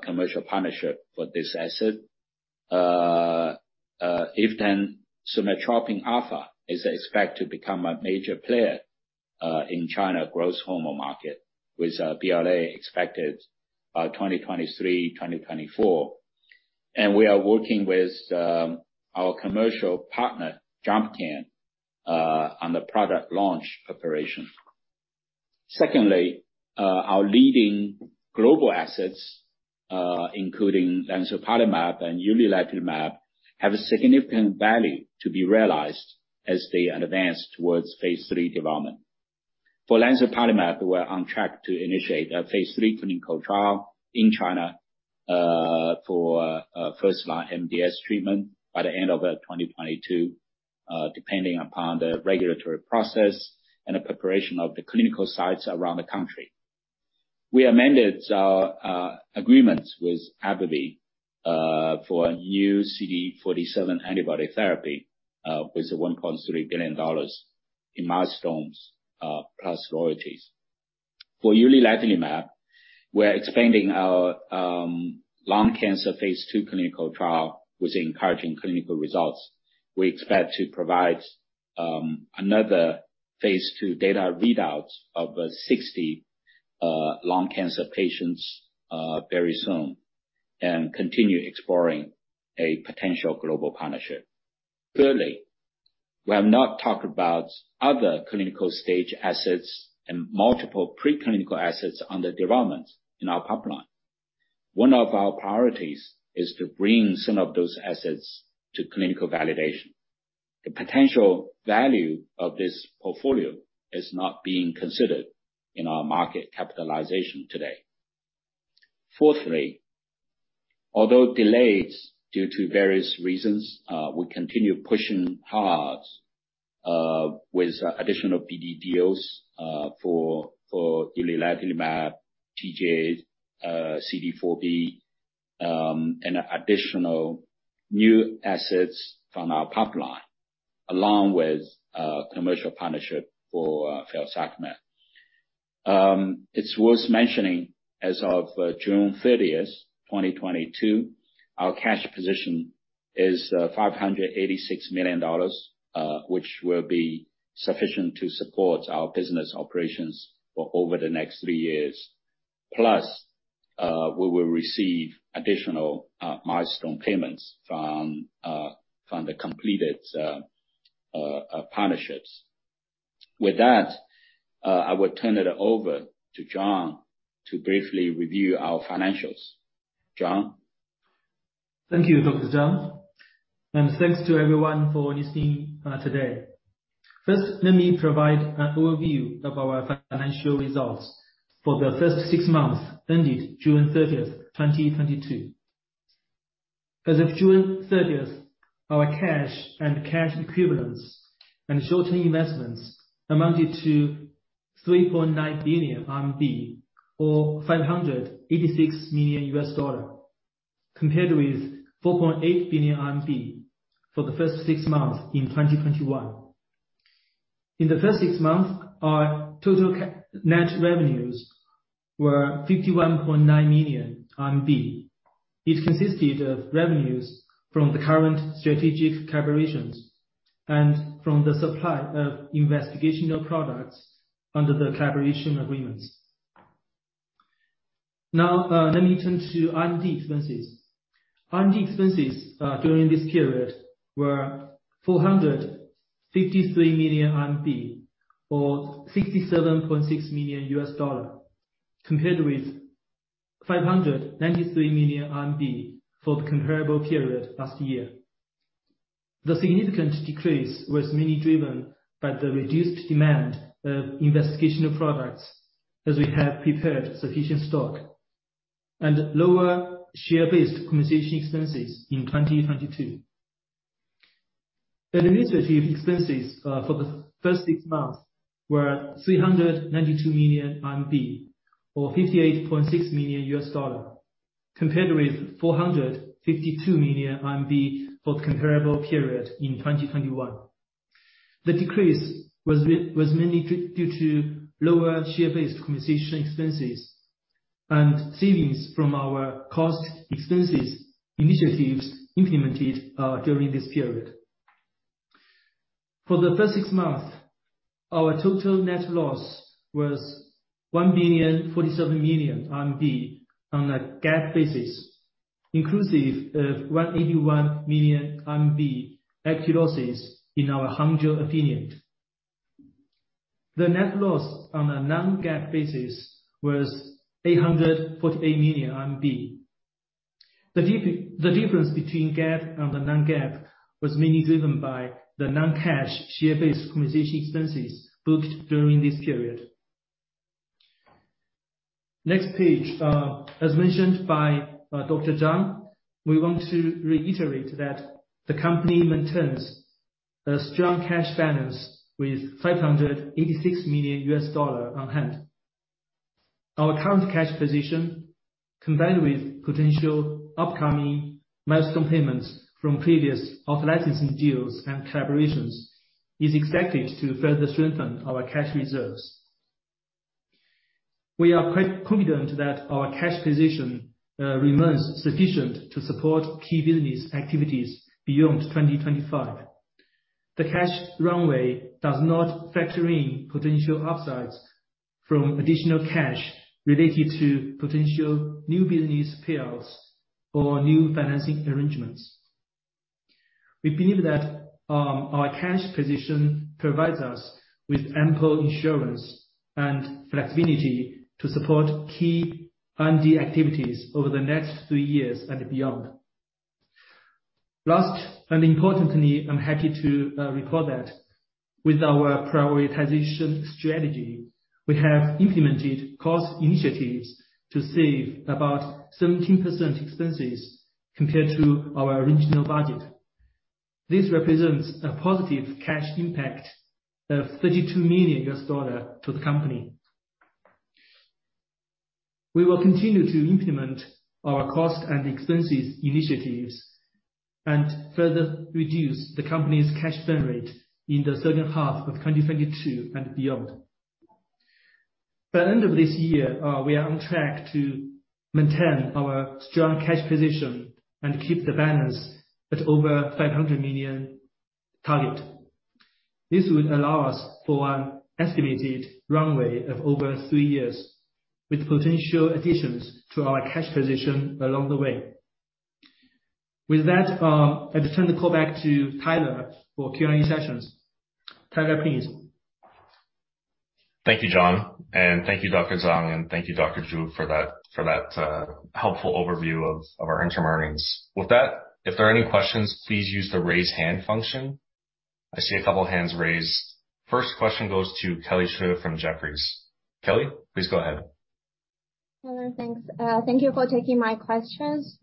B: commercial partnership for this asset. Eftansomatropin alfa is expected to become a major player in China growth hormone market, with BLA expected 2023-2024. We are working with our commercial partner, Jumpcan, on the product launch preparation. Secondly, our leading global assets, including lemzoparlimab and uliledlimab, have a significant value to be realized as they advance towards phase III development. For lemzoparlimab, we're on track to initiate a phase III clinical trial in China for first-line MDS treatment by the end of 2022, depending upon the regulatory process and the preparation of the clinical sites around the country. We amended agreements with AbbVie for a new CD47 antibody therapy with the $1.3 billion in milestones plus royalties. For uliledlimab, we're expanding our lung cancer phase II clinical trial with encouraging clinical results. We expect to provide another phase II data readouts of 60 lung cancer patients very soon, and continue exploring a potential global partnership. Thirdly, we have not talked about other clinical stage assets and multiple preclinical assets under development in our pipeline. One of our priorities is to bring some of those assets to clinical validation. The potential value of this portfolio is not being considered in our market capitalization today. Fourthly, although delays due to various reasons, we continue pushing hard with additional BD deals for uliledlimab, TJ-CD4B, and additional new assets from our pipeline, along with commercial partnership for. It's worth mentioning, as of June 30th, 2022, our cash position is $586 million, which will be sufficient to support our business operations for over the next three years. Plus, we will receive additional milestone payments from the completed partnerships. With that, I will turn it over to John to briefly review our financials. John?
D: Thank you, Jingwu Zang. Thanks to everyone for listening, today. First, let me provide an overview of our financial results for the first six months ended June 30, 2022. As of June 30, our cash and cash equivalents and short-term investments amounted to 3.9 billion RMB, or $586 million. Compared with 4.8 billion RMB for the first six months in 2021. In the first six months, our net revenues were 51.9 million RMB. It consisted of revenues from the current strategic collaborations and from the supply of investigational products under the collaboration agreements. Now, let me turn to R&D expenses. R&D expenses during this period were 453 million RMB, or $67.6 million, compared with 593 million RMB for the comparable period last year. The significant decrease was mainly driven by the reduced demand of investigational products, as we have prepared sufficient stock and lower share-based compensation expenses in 2022. Administrative expenses for the first six months were 392 million RMB, or $58.6 million, compared with 452 million RMB for the comparable period in 2021. The decrease was mainly due to lower share-based compensation expenses and savings from our cost expenses initiatives implemented during this period. For the first six months, our total net loss was 1,047 million on a GAAP basis, inclusive of 181 million RMB equity losses in our Hangzhou affiliate. The net loss on a non-GAAP basis was 848 million RMB. The difference between GAAP and the non-GAAP was mainly driven by the non-cash share-based compensation expenses booked during this period. Next page. As mentioned by Jingwu Zhang, we want to reiterate that the company maintains a strong cash balance with $586 million on hand. Our current cash position, combined with potential upcoming milestone payments from previous off-licensing deals and collaborations, is expected to further strengthen our cash reserves. We are quite confident that our cash position remains sufficient to support key business activities beyond 2025. The cash runway does not factor in potential upsides from additional cash related to potential new business deals or new financing arrangements. We believe that our cash position provides us with ample insurance and flexibility to support key R&D activities over the next three years and beyond. Last, and importantly, I'm happy to report that with our prioritization strategy, we have implemented cost initiatives to save about 17% expenses compared to our original budget. This represents a positive cash impact of $32 million to the company. We will continue to implement our cost and expenses initiatives and further reduce the company's cash burn rate in the second half of 2022 and beyond. By the end of this year, we are on track to maintain our strong cash position and keep the balance at over $500 million target. This would allow us for an estimated runway of over three years, with potential additions to our cash position along the way. With that, I'll turn the call back to Tyler for Q&A sessions. Tyler, please.
A: Thank you, John, and thank you, Jingwu Zhang, and thank you, Dr. Zhu, for that helpful overview of our interim earnings. With that, if there are any questions, please use the Raise Hand function. I see a couple hands raised. First question goes to Kelly Shi from Jefferies. Kelly, please go ahead.
E: Thank you for taking my questions.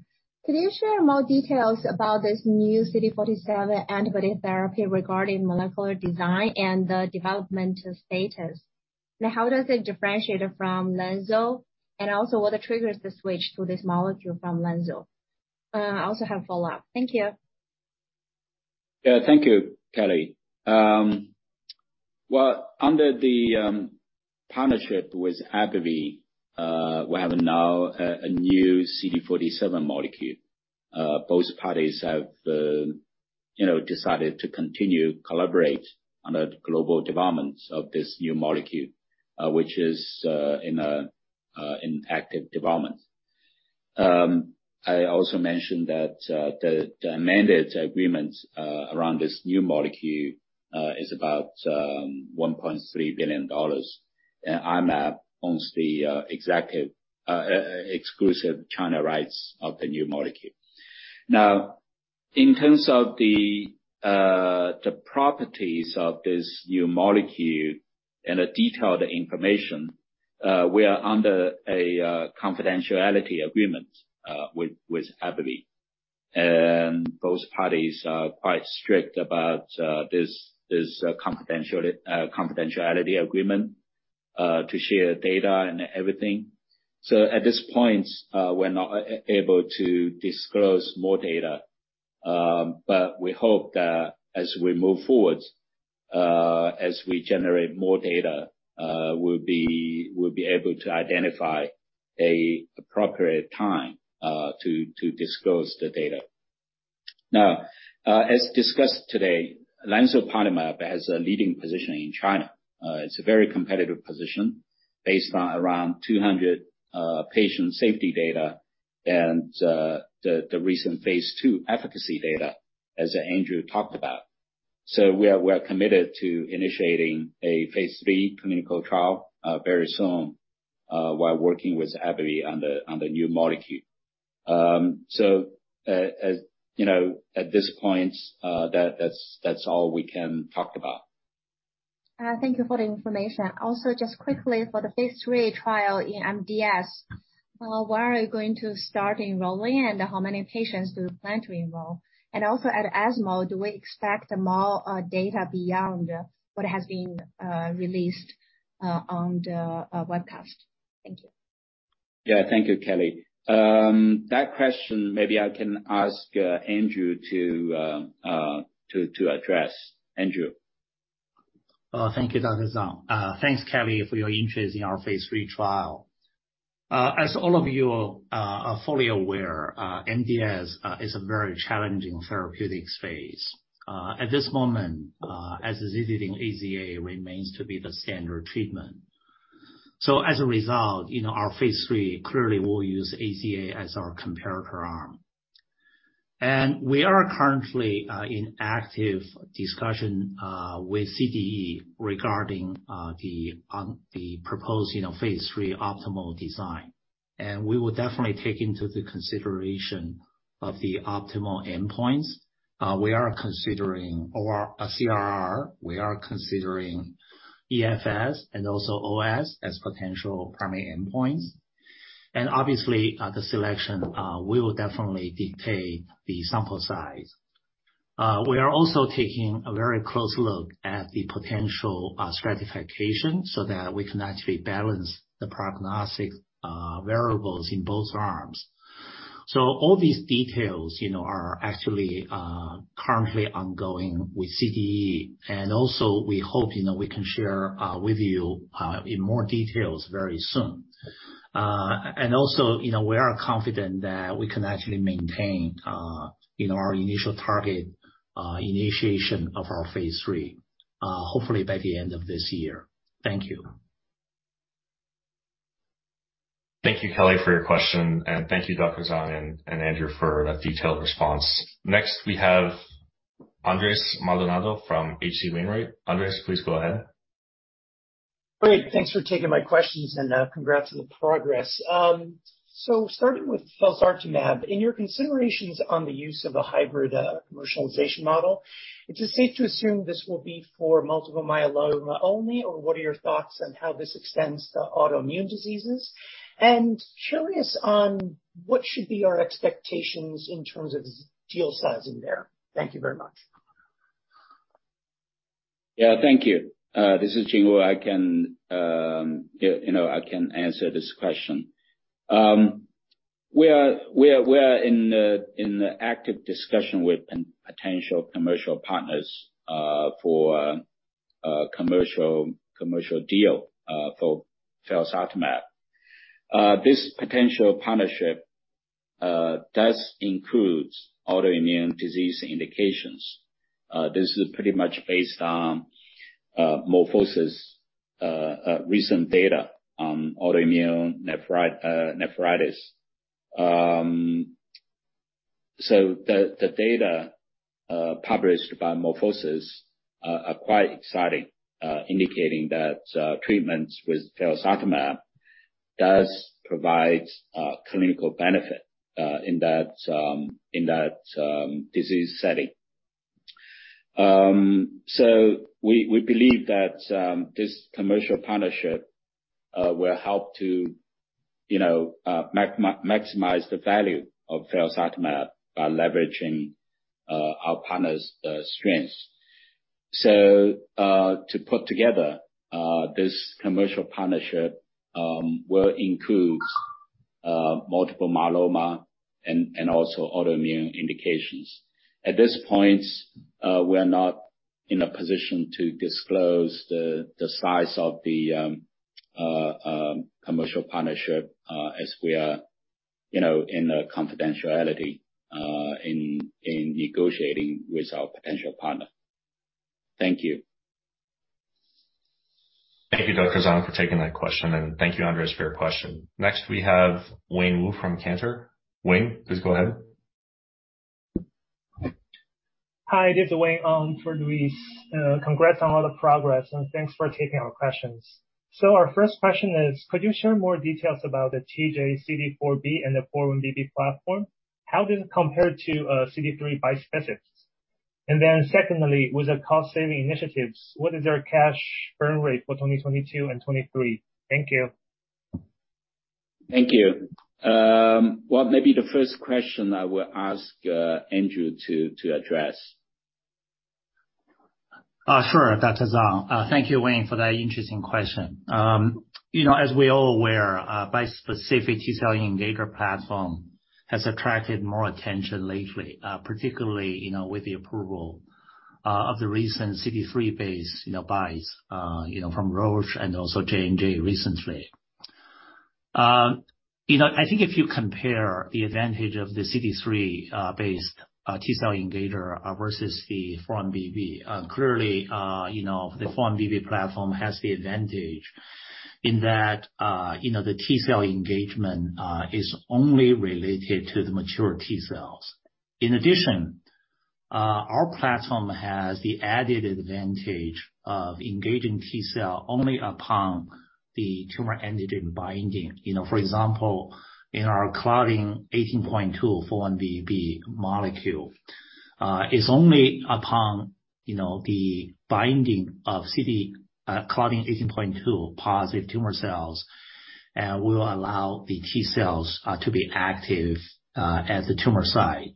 E: Could you share more details about this new CD47 antibody therapy regarding molecular design and the development status? How does it differentiate from lemzoparlimab? And also, what triggers the switch to this molecule from lemzoparlimab? I also have follow-up. Thank you.
B: Yeah, thank you, Kelly. Well, under the partnership with AbbVie, we have now a new CD47 molecule. Both parties have, you know, decided to continue collaborate on the global development of this new molecule, which is in active development. I also mentioned that the amendment agreement around this new molecule is about $1.3 billion. I-Mab owns the exclusive China rights of the new molecule. Now, in terms of the properties of this new molecule and the detailed information, we are under a confidentiality agreement with AbbVie. Both parties are quite strict about this confidentiality agreement to share data and everything. At this point, we're not able to disclose more data. We hope that as we move forward, as we generate more data, we'll be able to identify an appropriate time to disclose the data. Now, as discussed today, lemzoparlimab has a leading position in China. It's a very competitive position based on around 200 patient safety data and the recent phase II efficacy data, as Andrew talked about. We are committed to initiating a phase III clinical trial very soon while working with AbbVie on the new molecule. As you know, at this point, that's all we can talk about.
E: Thank you for the information. Also, just quickly, for the phase III trial in MDS, where are you going to start enrolling, and how many patients do you plan to enroll? Also at ASH, do we expect more data beyond what has been released on the webcast? Thank you.
B: Yeah. Thank you, Kelly. That question maybe I can ask Andrew to address. Andrew.
C: Thank you, Dr. Zang. Thanks, Kelly, for your interest in our phase III trial. As all of you are fully aware, MDS is a very challenging therapeutic space. At this moment, azacitidine, AZA, remains to be the standard treatment. As a result, you know, our phase III clearly will use AZA as our comparator arm. We are currently in active discussion with CDE regarding the proposed, you know, phase III optimal design. We will definitely take into the consideration of the optimal endpoints. We are considering ORR, CRR. We are considering EFS and also OS as potential primary endpoints. Obviously, the selection will definitely dictate the sample size. We are also taking a very close look at the potential stratification so that we can actually balance the prognostic variables in both arms. All these details, you know, are actually currently ongoing with CDE. We hope, you know, we can share with you in more details very soon. We are confident that we can actually maintain, you know, our initial target initiation of our phase III hopefully by the end of this year. Thank you.
A: Thank you, Kelly, for your question, and thank you Drs. Zhang and Andrew for that detailed response. Next we have Andres Maldonado from H.C. Wainwright. Andres, please go ahead.
F: Great. Thanks for taking my questions, and congrats on the progress. Starting with felzartamab, in your considerations on the use of a hybrid commercialization model, is it safe to assume this will be for multiple myeloma only? What are your thoughts on how this extends to autoimmune diseases? Curious on what should be our expectations in terms of deal sizing there? Thank you very much.
B: Yeah, thank you. This is Jingwu. I can, you know, I can answer this question. We are in active discussion with potential commercial partners for commercial deal for felzartamab. This potential partnership does includes autoimmune disease indications. This is pretty much based on MorphoSys recent data on autoimmune nephritis. The data published by MorphoSys are quite exciting, indicating that treatments with felzartamab does provide clinical benefit in that disease setting. We believe that this commercial partnership will help to, you know, maximize the value of felzartamab by leveraging our partners' strengths. To put together this commercial partnership will include multiple myeloma and also autoimmune indications. At this point, we're not in a position to disclose the size of the commercial partnership as we are, you know, in a confidentiality in negotiating with our potential partner. Thank you.
A: Thank you, Dr. Zang, for taking that question, and thank you, Andres, for your question. Next, we have Wayne Wu from Cantor. Wayne, please go ahead.
G: Hi, this is Wayne for Louise. Congrats on all the progress, and thanks for taking our questions. Our first question is could you share more details about the TJ-CD4B and the 4-1BB platform? How does it compare to CD3 bispecifics? And then secondly, with the cost saving initiatives, what is their cash burn rate for 2022 and 2023? Thank you.
B: Thank you. Well, maybe the first question I will ask Andrew to address.
C: Sure, Dr. Zang. Thank you, Wayne, for that interesting question. You know, as we're all aware, bispecific T-cell engager platform has attracted more attention lately, particularly, you know, with the approval of the recent CD3-based bispecifics from Roche and also J&J recently. You know, I think if you compare the advantage of the CD3 based T-cell engager versus the 4-1BB, clearly, you know, the 4-1BB platform has the advantage in that, you know, the T-cell engagement is only related to the mature T-cells. In addition, our platform has the added advantage of engaging T-cell only upon the tumor antigen binding. You know, for example, in our Claudin 18.2 4-1BB molecule, is only upon, you know, the binding to Claudin 18.2-positive tumor cells, will allow the T-cells to be active at the tumor site.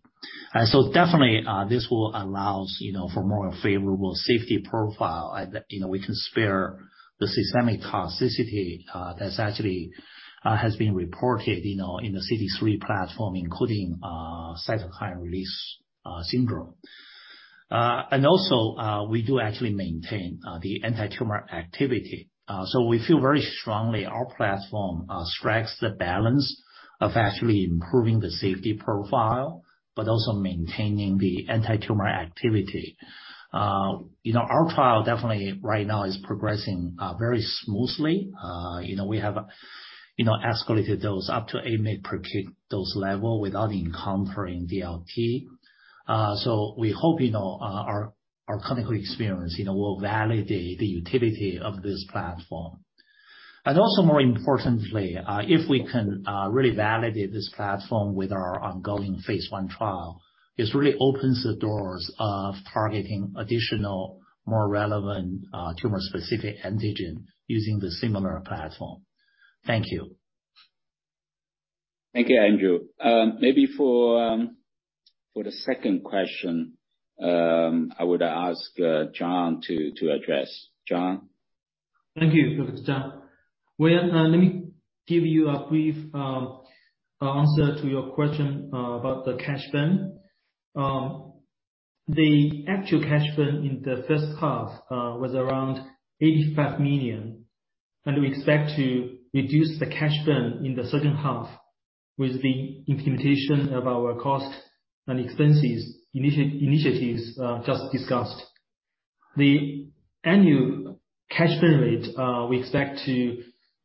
C: Definitely, this will allow, you know, for more favorable safety profile. You know, we can spare the systemic toxicity, that's actually has been reported, you know, in the CD3 platform, including cytokine release syndrome. Also, we do actually maintain the antitumor activity. We feel very strongly our platform strikes the balance of actually improving the safety profile but also maintaining the antitumor activity. You know, our trial definitely right now is progressing very smoothly. You know, we have, you know, escalated dose up to 80 mg per kg dose level without encountering DLT. So we hope, you know, our clinical experience, you know, will validate the utility of this platform. Also more importantly, if we can really validate this platform with our ongoing phase one trial, this really opens the doors of targeting additional, more relevant tumor-specific antigen using the similar platform. Thank you.
B: Thank you, Andrew. Maybe for the second question, I would ask John to address. John?
D: Thank you, Dr. Zang. Let me give you a brief answer to your question about the cash burn. The actual cash burn in the first half was around $85 million, and we expect to reduce the cash burn in the second half with the implementation of our cost and expenses initiatives just discussed. The annual cash burn rate we expect to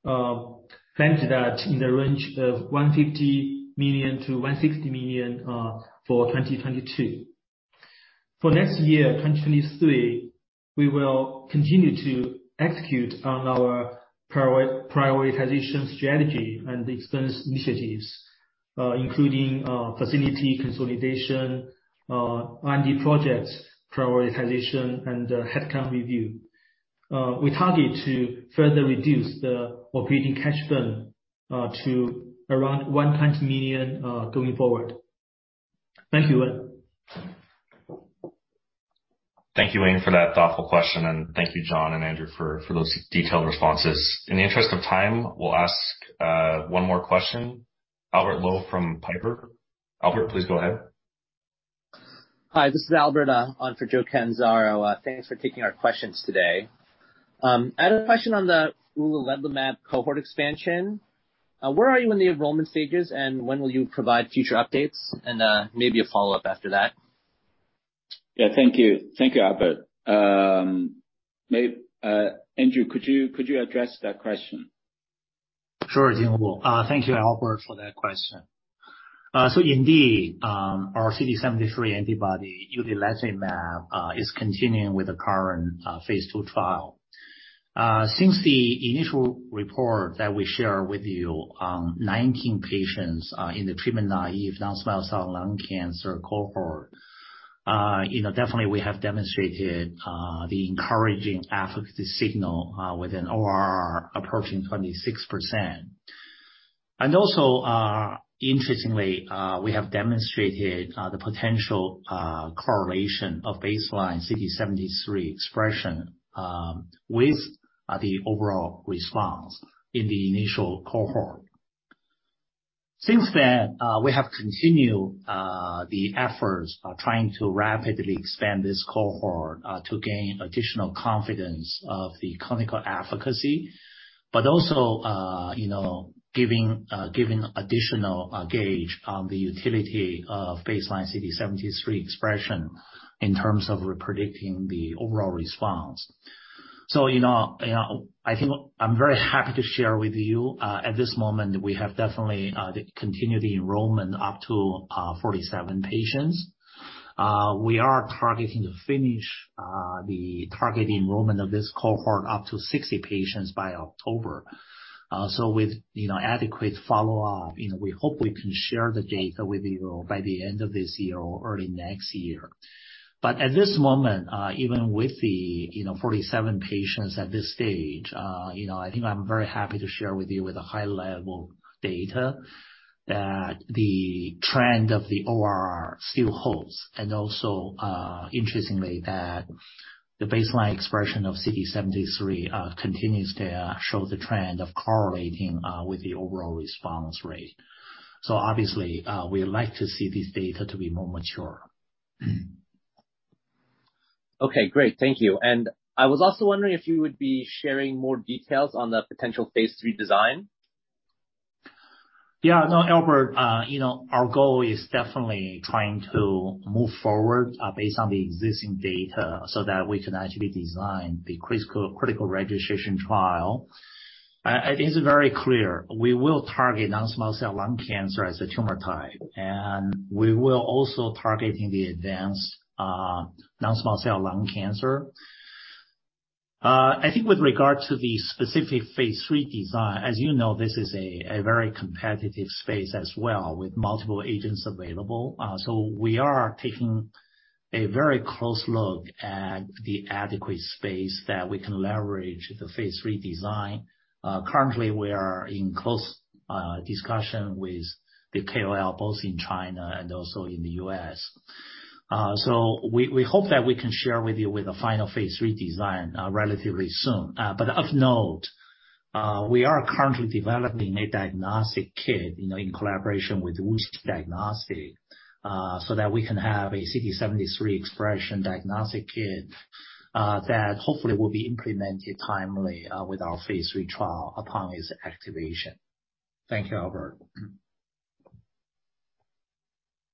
D: plan that in the range of $150 million-$160 million for 2022. For next year, 2023, we will continue to execute on our prioritization strategy and expense initiatives, including facility consolidation, R&D projects prioritization and headcount review. We target to further reduce the operating cash burn to around $100 million going forward. Thank you, Will.
A: Thank you, Wayne, for that thoughtful question. Thank you, John and Andrew, for those detailed responses. In the interest of time, we'll ask one more question. Albert Lowe from Piper Sandler. Albert, please go ahead.
H: Hi, this is Albert on for Joe Catanzaro. Thanks for taking our questions today. I had a question on the uliledlimab cohort expansion. Where are you in the enrollment stages, and when will you provide future updates? Maybe a follow-up after that.
B: Yeah, thank you. Thank you, Albert. Andrew, could you address that question?
C: Sure thing, Will. Thank you, Albert, for that question. Indeed, our CD73 antibody uliledlimab is continuing with the current phase two trial. Since the initial report that we share with you, 19 patients in the treatment naive non-small cell lung cancer cohort, you know, definitely we have demonstrated the encouraging efficacy signal with an OR approaching 26%. Also, interestingly, we have demonstrated the potential correlation of baseline CD73 expression with the overall response in the initial cohort. Since then, we have continued the efforts of trying to rapidly expand this cohort to gain additional confidence of the clinical efficacy, but also, you know, giving additional gauge on the utility of baseline CD73 expression in terms of predicting the overall response. You know, I think I'm very happy to share with you at this moment, we have definitely continued the enrollment up to 47 patients. We are targeting to finish the target enrollment of this cohort up to 60 patients by October. With you know, adequate follow-up, you know, we hope we can share the data with you by the end of this year or early next year. At this moment, even with the you know, 47 patients at this stage, you know, I think I'm very happy to share with you with a high level data that the trend of the ORR still holds. Also, interestingly, that the baseline expression of CD73 continues to show the trend of correlating with the overall response rate. Obviously, we like to see this data to be more mature.
H: Okay, great. Thank you. I was also wondering if you would be sharing more details on the potential phase III design?
C: Yeah. No, Albert, you know, our goal is definitely trying to move forward based on the existing data so that we can actually design the critical registration trial. It is very clear we will target non-small cell lung cancer as a tumor type, and we will also targeting the advanced non-small cell lung cancer. I think with regard to the specific phase III design, as you know, this is a very competitive space as well with multiple agents available. So we are taking a very close look at the adequate space that we can leverage the phase III design. Currently we are in close discussion with the KOL, both in China and also in the U.S. So we hope that we can share with you with the final phase III design relatively soon. Of note, we are currently developing a diagnostic kit, you know, in collaboration with WuXi Diagnostics, so that we can have a CD73 expression diagnostic kit, that hopefully will be implemented timely, with our phase III trial upon its activation. Thank you, Albert.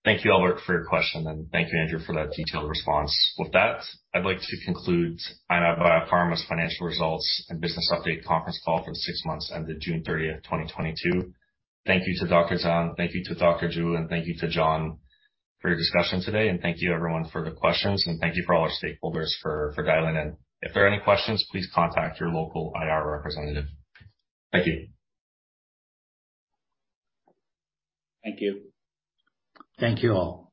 A: Thank you, Albert, for your question. Thank you, Andrew, for that detailed response. With that, I'd like to conclude I-Mab Biopharma's financial results and business update conference call for the six months ended June 30th, 2022. Thank you to Dr. Zang, thank you to Dr. Zhu, and thank you to John for your discussion today. Thank you, everyone, for the questions. Thank you for all our stakeholders for dialing in. If there are any questions, please contact your local IR representative. Thank you.
D: Thank you.
B: Thank you all.